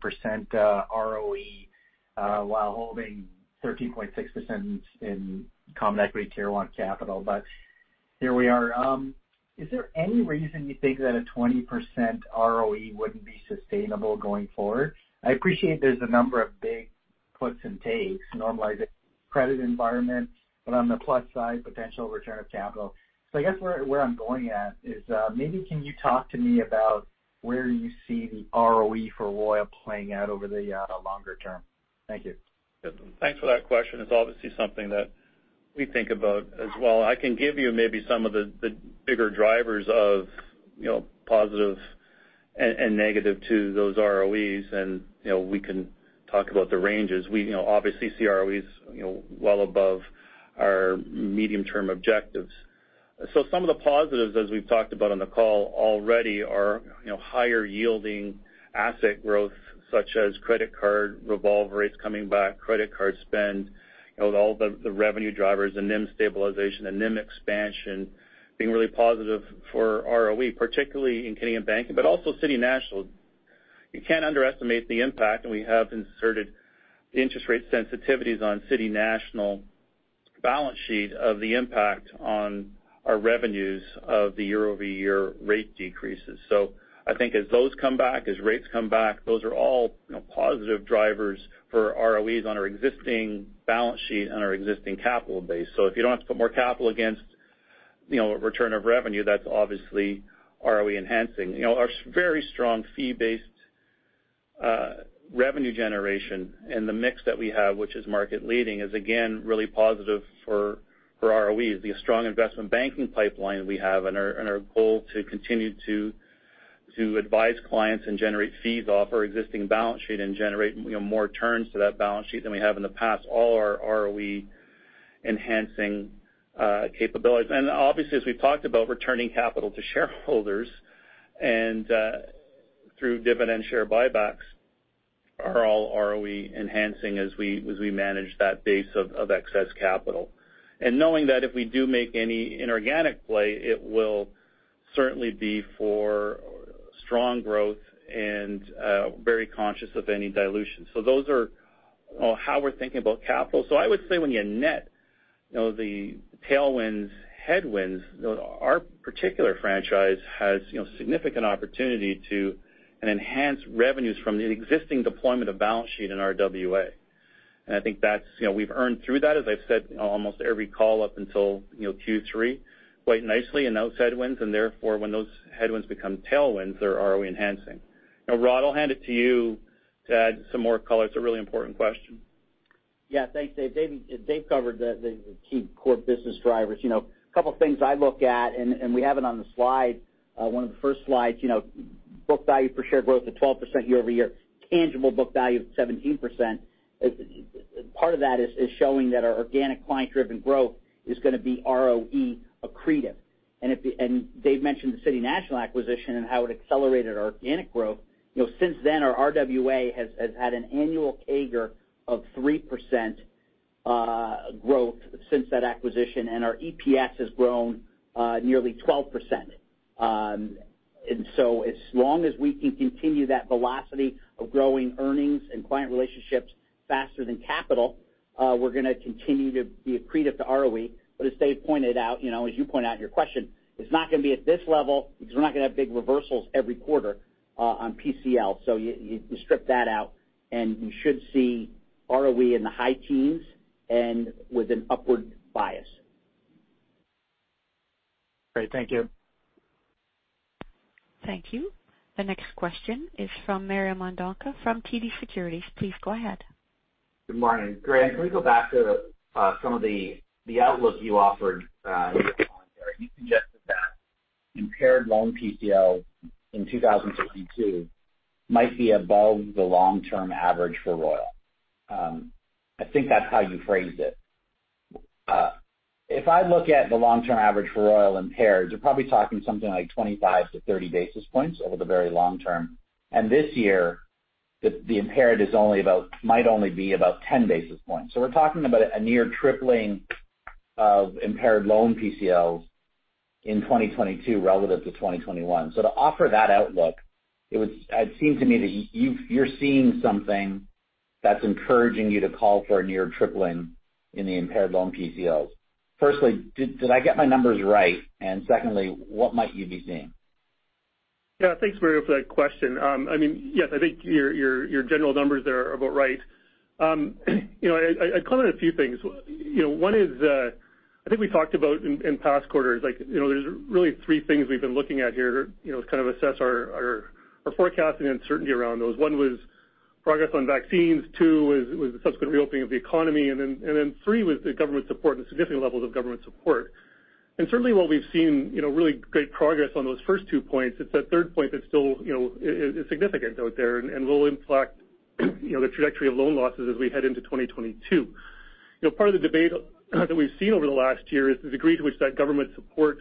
ROE while holding 13.6% in common equity Tier 1 capital. Here we are. Is there any reason you think that a 20% ROE wouldn't be sustainable going forward? I appreciate there's a number of big puts and takes normalizing credit environment, but on the plus side, potential return of capital. I guess where I'm going at is maybe can you talk to me about where you see the ROE for Royal playing out over the longer term? Thank you. Thanks for that question. It's obviously something that we think about as well. I can give you maybe some of the bigger drivers of positive and negative to those ROE, and we can talk about the ranges. We obviously see ROE well above our medium-term objectives. Some of the positives, as we've talked about on the call already, are higher yielding asset growth, such as credit card revolve rates coming back, credit card spend with all the revenue drivers and NIM stabilization and NIM expansion being really positive for ROE, particularly in Canadian Banking, but also City National. You can't underestimate the impact, and we have inserted the interest rate sensitivities on City National balance sheet of the impact on our revenues of the year-over-year rate decreases. I think as those come back, as rates come back, those are all positive drivers for ROEs on our existing balance sheet and our existing capital base. If you don't have to put more capital against return of revenue, that's obviously ROE enhancing. Our very strong fee-based revenue generation and the mix that we have, which is market leading, is again, really positive for ROEs. The strong investment banking pipeline we have and our goal to continue to advise clients and generate fees off our existing balance sheet and generate more turns to that balance sheet than we have in the past are all our ROE enhancing capabilities. Obviously, as we've talked about returning capital to shareholders and through dividend share buybacks, are all ROE enhancing as we manage that base of excess capital. Knowing that if we do make any inorganic play, it will certainly be for strong growth and very conscious of any dilution. Those are how we're thinking about capital. I would say when you net the tailwinds, headwinds, our particular franchise has significant opportunity to enhance revenues from the existing deployment of balance sheet in RWA. I think we've earned through that, as I've said almost every call up until Q3, quite nicely in those headwinds, and therefore, when those headwinds become tailwinds, they're ROE enhancing. Rod, I'll hand it to you to add some more color. It's a really important question. Thanks, Dave. Dave covered the key core business drivers. Couple things I look at, we have it on the slide, one of the first slides. Book value per share growth of 12% year-over-year, tangible book value of 17%. Part of that is showing that our organic client-driven growth is going to be ROE accretive. Dave mentioned the City National acquisition and how it accelerated our organic growth. Since then our RWA has had an annual CAGR of 3% growth since that acquisition, and our EPS has grown nearly 12%. As long as we can continue that velocity of growing earnings and client relationships faster than capital, we're going to continue to be accretive to ROE. As Dave pointed out, as you point out in your question, it's not going to be at this level because we're not going to have big reversals every quarter on PCL. You strip that out, and you should see ROE in the high teens and with an upward bias. Great. Thank you. Thank you. The next question is from Mario Mendonca from TD Securities. Please go ahead. Good morning. Graeme Hepworth, can we go back to some of the outlook you offered in your commentary? You suggested that impaired loan PCL in 2022 might be above the long-term average for Royal. I think that's how you phrased it. If I look at the long-term average for Royal impaired, you're probably talking something like 25 to 30 basis points over the very long term. This year, the impaired might only be about 10 basis points. We're talking about a near tripling of impaired loan PCLs in 2022 relative to 2021. To offer that outlook, it would seem to me that you're seeing something that's encouraging you to call for a near tripling in the impaired loan PCLs. Firstly, did I get my numbers right? Secondly, what might you be seeing? Yeah. Thanks, Mario, for that question. Yes, I think your general numbers there are about right. I'd comment on a few things. One is I think we talked about in past quarters, there's really three things we've been looking at here to kind of assess our forecast and uncertainty around those. One was progress on vaccines, two was the subsequent reopening of the economy, three was the government support and significant levels of government support. Certainly while we've seen really great progress on those first two points, it's that third point that still is significant out there and will impact the trajectory of loan losses as we head into 2022. Part of the debate that we've seen over the last year is the degree to which that government support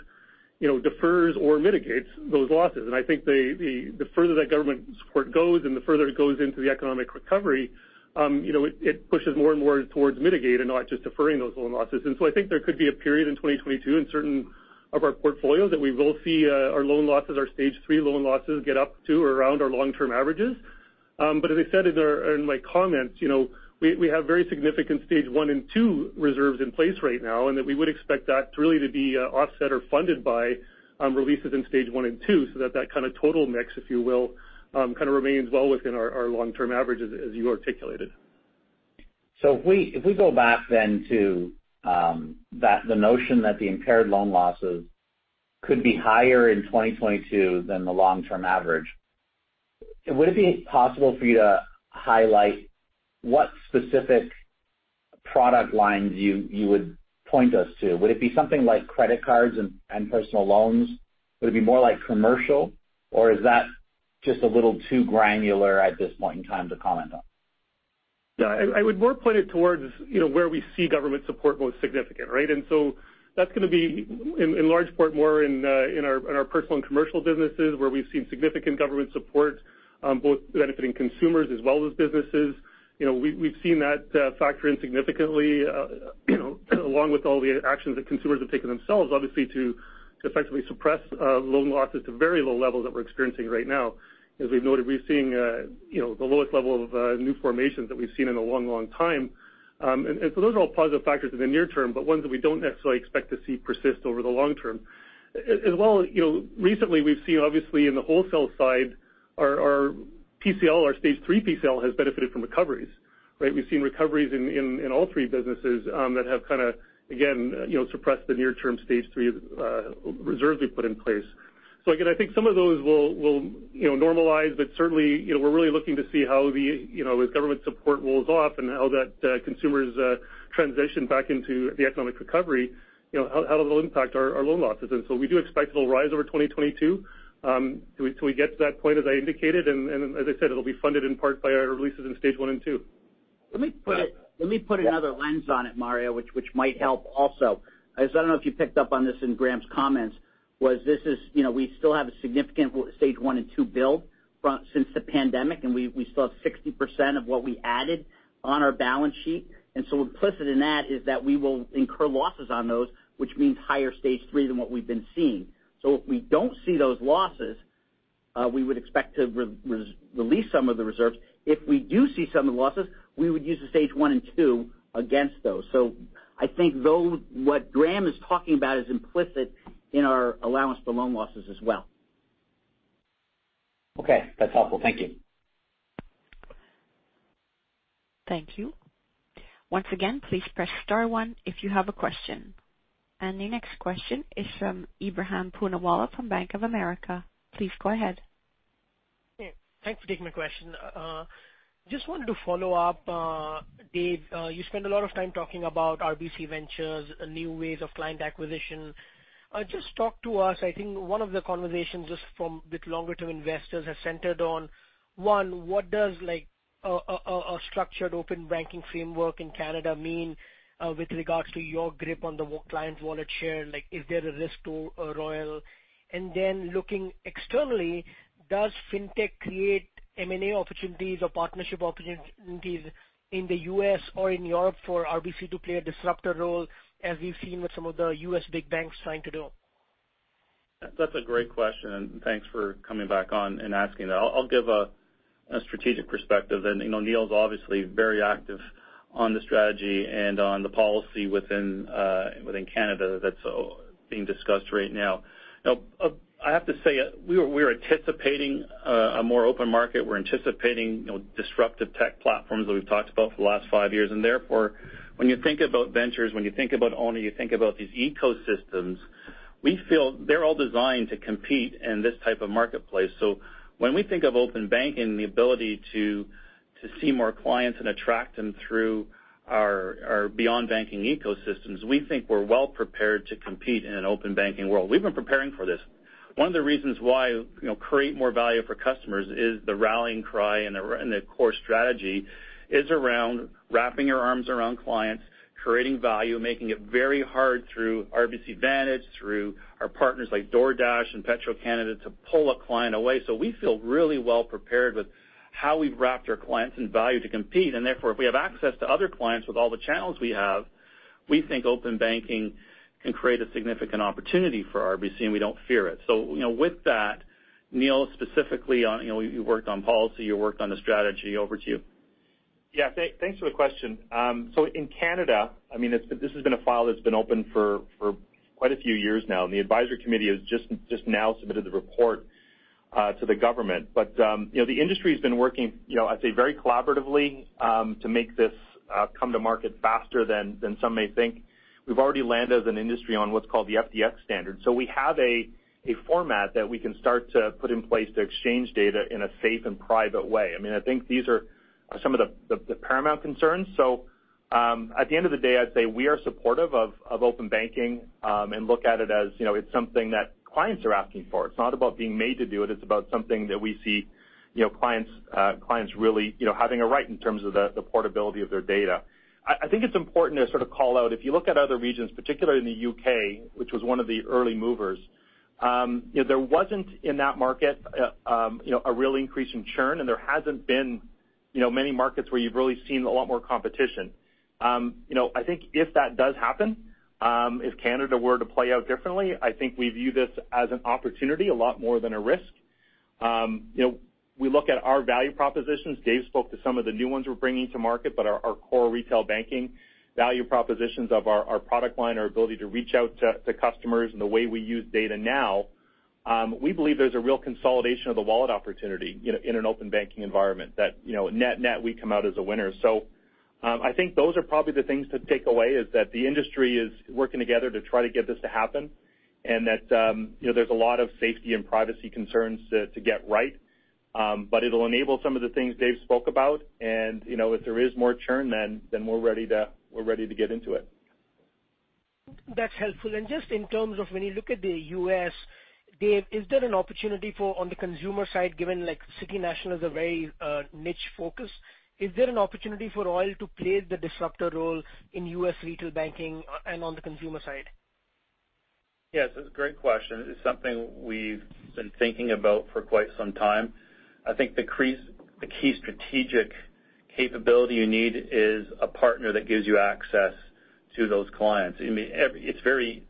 defers or mitigates those losses. I think the further that government support goes and the further it goes into the economic recovery it pushes more and more towards mitigate and not just deferring those loan losses. I think there could be a period in 2022 in certain of our portfolios that we will see our loan losses, our stage three loan losses get up to or around our long-term averages. As I said in my comments, we have very significant stage one and two reserves in place right now, and that we would expect that really to be offset or funded by releases in stage one and two so that kind of total mix, if you will, kind of remains well within our long-term averages as you articulated. If we go back then to the notion that the impaired loan losses could be higher in 2022 than the long-term average, would it be possible for you to highlight what specific product lines you would point us to? Would it be something like credit cards and personal loans? Would it be more like commercial, or is that just a little too granular at this point in time to comment on? Yeah. I would more point it towards where we see government support most significant, right? That's going to be in large part more in our personal and commercial businesses where we've seen significant government support, both benefiting consumers as well as businesses. We've seen that factor in significantly along with all the actions that consumers have taken themselves, obviously to effectively suppress loan losses to very low levels that we're experiencing right now. As we've noted, we've seen the lowest level of new formations that we've seen in a long, long time. Those are all positive factors in the near term, but ones that we don't necessarily expect to see persist over the long term. As well, recently we've seen obviously in the wholesale side, our stage three PCL has benefited from recoveries, right? We've seen recoveries in all three businesses that have kind of, again suppressed the near term stage three reserves we put in place. Again, I think some of those will normalize but certainly we're really looking to see how as government support rolls off and how that consumers transition back into the economic recovery, how that will impact our loan losses. We do expect it'll rise over 2022 till we get to that point, as I indicated, and as I said, it'll be funded in part by our releases in stage one and two. Let me put another lens on it, Mario, which might help also. I don't know if you picked up on this in Graeme's comments, was we still have a significant Stage one and two build since the pandemic, and we still have 60% of what we added on our balance sheet. Implicit in that is that we will incur losses on those, which means higher Stage three than what we've been seeing. If we don't see those losses, we would expect to release some of the reserves. If we do see some of the losses, we would use the Stage one and two against those. I think what Graeme is talking about is implicit in our allowance for loan losses as well. Okay. That's helpful. Thank you. Thank you. Once again, please press *1 if you have a question. The next question is from Ebrahim Poonawala from Bank of America. Please go ahead. Thanks for taking my question. Just wanted to follow up. Dave, you spent a lot of time talking about RBC Ventures, new ways of client acquisition. Talk to us, I think one of the conversations with longer-term investors has centered on, one, what does a structured open banking framework in Canada mean with regards to your grip on the client's wallet share? Is there a risk to Royal? Then looking externally, does fintech create M&A opportunities or partnership opportunities in the U.S. or in Europe for RBC to play a disruptor role, as we've seen with some of the U.S. big banks trying to do? That's a great question, and thanks for coming back on and asking that. I'll give a strategic perspective. Neil's obviously very active on the strategy and on the policy within Canada that's being discussed right now. I have to say, we are anticipating a more open market. We're anticipating disruptive tech platforms that we've talked about for the last five years. Therefore, when you think about ventures, when you think about Ownr, you think about these ecosystems. We feel they're all designed to compete in this type of marketplace. When we think of open banking and the ability to see more clients and attract them through our beyond banking ecosystems, we think we're well prepared to compete in an open banking world. We've been preparing for this. One of the reasons why create more value for customers is the rallying cry, the core strategy is around wrapping our arms around clients, creating value, making it very hard through RBC Vantage, through our partners like DoorDash and Petro-Canada to pull a client away. We feel really well prepared with how we've wrapped our clients in value to compete. Therefore, if we have access to other clients with all the channels we have, we think open banking can create a significant opportunity for RBC, and we don't fear it. With that, Neil, specifically, you worked on policy, you worked on the strategy. Over to you. Yeah. Thanks for the question. In Canada, this has been a file that's been open for quite a few years now, and the advisory committee has just now submitted the report to the government. The industry has been working, I'd say, very collaboratively, to make this come to market faster than some may think. We've already landed an industry on what's called the FDX standard. We have a format that we can start to put in place to exchange data in a safe and private way. I think these are some of the paramount concerns. At the end of the day, I'd say we are supportive of open banking, and look at it as it's something that clients are asking for. It's not about being made to do it. It's about something that we see clients really having a right in terms of the portability of their data. I think it's important to sort of call out, if you look at other regions, particularly in the U.K., which was one of the early movers, there wasn't in that market a real increase in churn. There hasn't been many markets where you've really seen a lot more competition. I think if that does happen, if Canada were to play out differently, I think we view this as an opportunity a lot more than a risk. We look at our value propositions. Dave spoke to some of the new ones we're bringing to market, but our core retail banking value propositions of our product line, our ability to reach out to customers and the way we use data now, we believe there's a real consolidation of the wallet opportunity in an open banking environment that net-net, we come out as a winner. I think those are probably the things to take away, is that the industry is working together to try to get this to happen, and that there's a lot of safety and privacy concerns to get right. It'll enable some of the things Dave spoke about, and if there is more churn, then we're ready to get into it. That's helpful. Just in terms of when you look at the U.S., Dave, is there an opportunity for, on the consumer side, given City National is a very niche focus, is there an opportunity for Royal to play the disruptor role in U.S. retail banking and on the consumer side? Yes, it's a great question. It's something we've been thinking about for quite some time. I think the key strategic capability you need is a partner that gives you access to those clients. It's very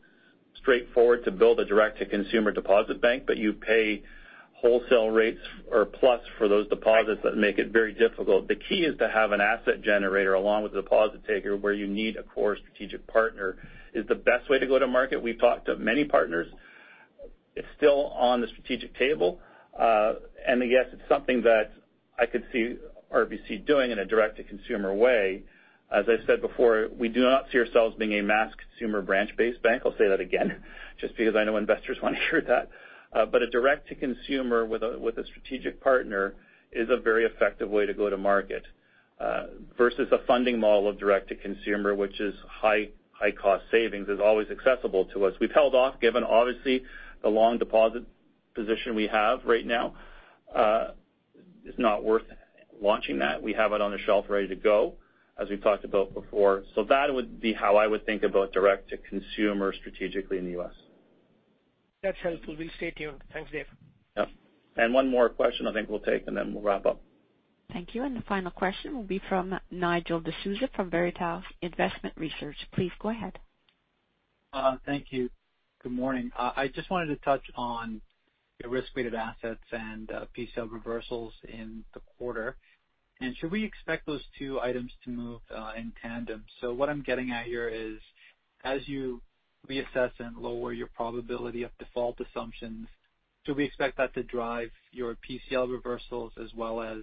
straightforward to build a direct-to-consumer deposit bank, but you pay wholesale rates or plus for those deposits that make it very difficult. The key is to have an asset generator along with a deposit taker where you need a core strategic partner is the best way to go to market. We've talked to many partners. It's still on the strategic table. Yes, it's something that I could see RBC doing in a direct-to-consumer way. As I said before, we do not see ourselves being a mass consumer branch-based bank. I'll say that again, just because I know investors want to hear that. A direct-to-consumer with a strategic partner is a very effective way to go to market, versus a funding model of direct-to-consumer, which is high cost savings, is always accessible to us. We've held off given obviously the long deposit position we have right now is not worth launching that. We have it on the shelf ready to go, as we've talked about before. That would be how I would think about direct-to-consumer strategically in the U.S. That's helpful. We'll stay tuned. Thanks, Dave. Yep. One more question I think we'll take, and then we'll wrap up. Thank you. The final question will be from Nigel D'Souza from Veritas Investment Research. Please go ahead. Thank you. Good morning. I just wanted to touch on your risk-weighted assets and PCL reversals in the quarter. Should we expect those two items to move in tandem? What I'm getting at here is, as you reassess and lower your probability of default assumptions, do we expect that to drive your PCL reversals as well as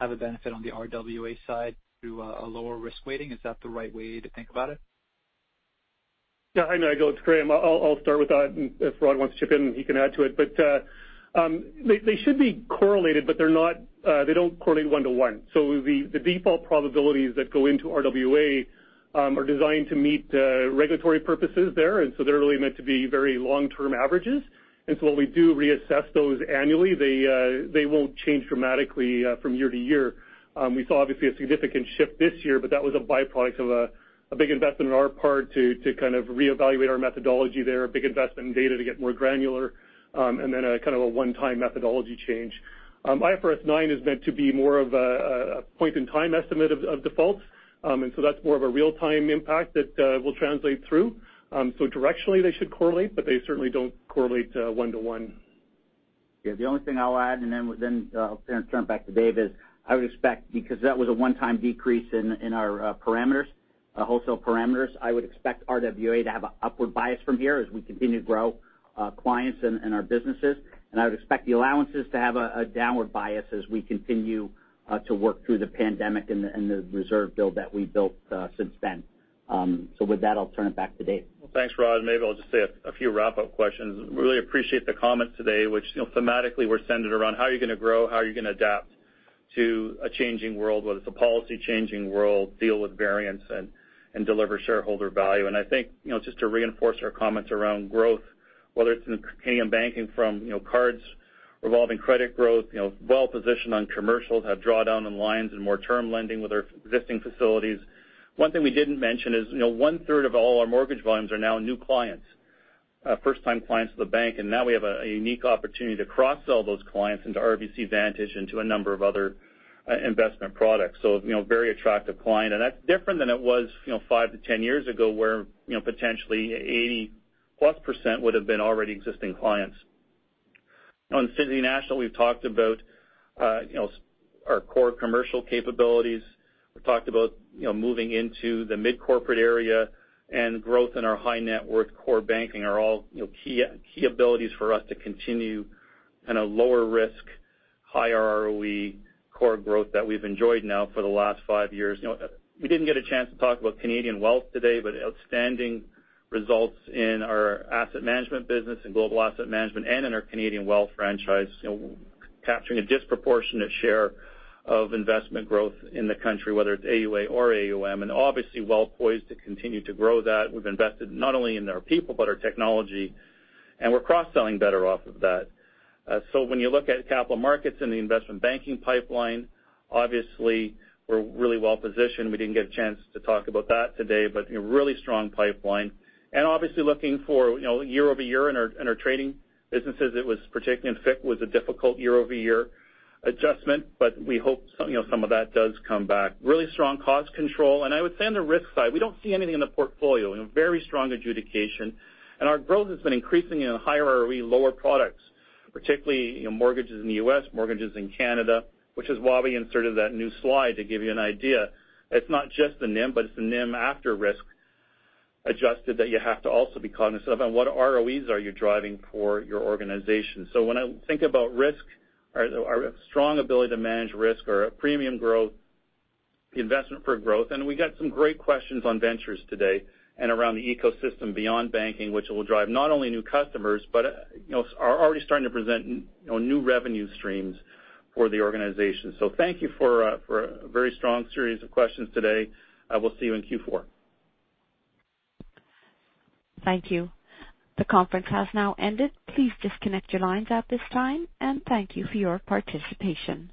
have a benefit on the RWA side through a lower risk weighting? Is that the right way to think about it? Hi, Nigel. It's Graeme. I'll start with that, and if Rod wants to chip in, he can add to it. They should be correlated, but they don't correlate one to one. The default probabilities that go into RWA are designed to meet regulatory purposes there, and they're really meant to be very long-term averages. When we do reassess those annually, they won't change dramatically from year to year. We saw obviously a significant shift this year, but that was a byproduct of a big investment on our part to kind of reevaluate our methodology there, a big investment in data to get more granular, and then a kind of a one-time methodology change. IFRS 9 is meant to be more of a point-in-time estimate of defaults. That's more of a real-time impact that will translate through. Directionally, they should correlate, but they certainly don't correlate 1 to 1. Yeah, the only thing I'll add, and then I'll turn it back to Dave, is I would expect, because that was a one-time decrease in our parameters, our wholesale parameters, I would expect RWA to have a upward bias from here as we continue to grow clients and our businesses. I would expect the allowances to have a downward bias as we continue to work through the pandemic and the reserve build that we built since then. With that, I'll turn it back to Dave. Well, thanks, Rod. Maybe I'll just say a few wrap-up questions. Really appreciate the comments today, which thematically were centered around how are you going to grow, how are you going to adapt to a changing world, whether it's a policy-changing world, deal with variance, and deliver shareholder value. I think, just to reinforce our comments around growth, whether it's in Canadian banking from cards, revolving credit growth, well-positioned on commercials, have drawdown on lines and more term lending with our existing facilities. One thing we didn't mention is one-third of all our mortgage volumes are now new clients, first-time clients to the bank, and now we have a unique opportunity to cross-sell those clients into RBC Vantage and to a number of other investment products. Very attractive client. That's different than it was five to 10 years ago where potentially 80%+ would've been already existing clients. On City National, we've talked about our core commercial capabilities. We've talked about moving into the mid-corporate area and growth in our high-net-worth core banking are all key abilities for us to continue kind of lower risk, higher ROE core growth that we've enjoyed now for the last five years. We didn't get a chance to talk about Canadian wealth today. Outstanding results in our asset management business and Global Asset Management and in our Canadian wealth franchise, capturing a disproportionate share of investment growth in the country, whether it's AUA or AUM. Obviously well-poised to continue to grow that. We've invested not only in our people, but our technology. We're cross-selling better off of that. When you look at Capital Markets and the investment banking pipeline, obviously we're really well-positioned. We didn't get a chance to talk about that today, but really strong pipeline. Obviously looking for year-over-year in our trading businesses, particularly in FICC, was a difficult year-over-year adjustment, but we hope some of that does come back. Really strong cost control. I would say on the risk side, we don't see anything in the portfolio. Very strong adjudication. Our growth has been increasing in higher ROE, lower products, particularly mortgages in the U.S., mortgages in Canada, which is why we inserted that new slide to give you an idea. It's not just the NIM, but it's the NIM after risk-adjusted that you have to also be cognizant of, and what ROEs are you driving for your organization. When I think about risk, our strong ability to manage risk or our premium growth, investment for growth, and we got some great questions on RBC Ventures today and around the ecosystem beyond banking, which will drive not only new customers, but are already starting to present new revenue streams for the organization. Thank you for a very strong series of questions today. I will see you in Q4. Thank you. The conference has now ended. Please disconnect your lines at this time, and thank you for your participation.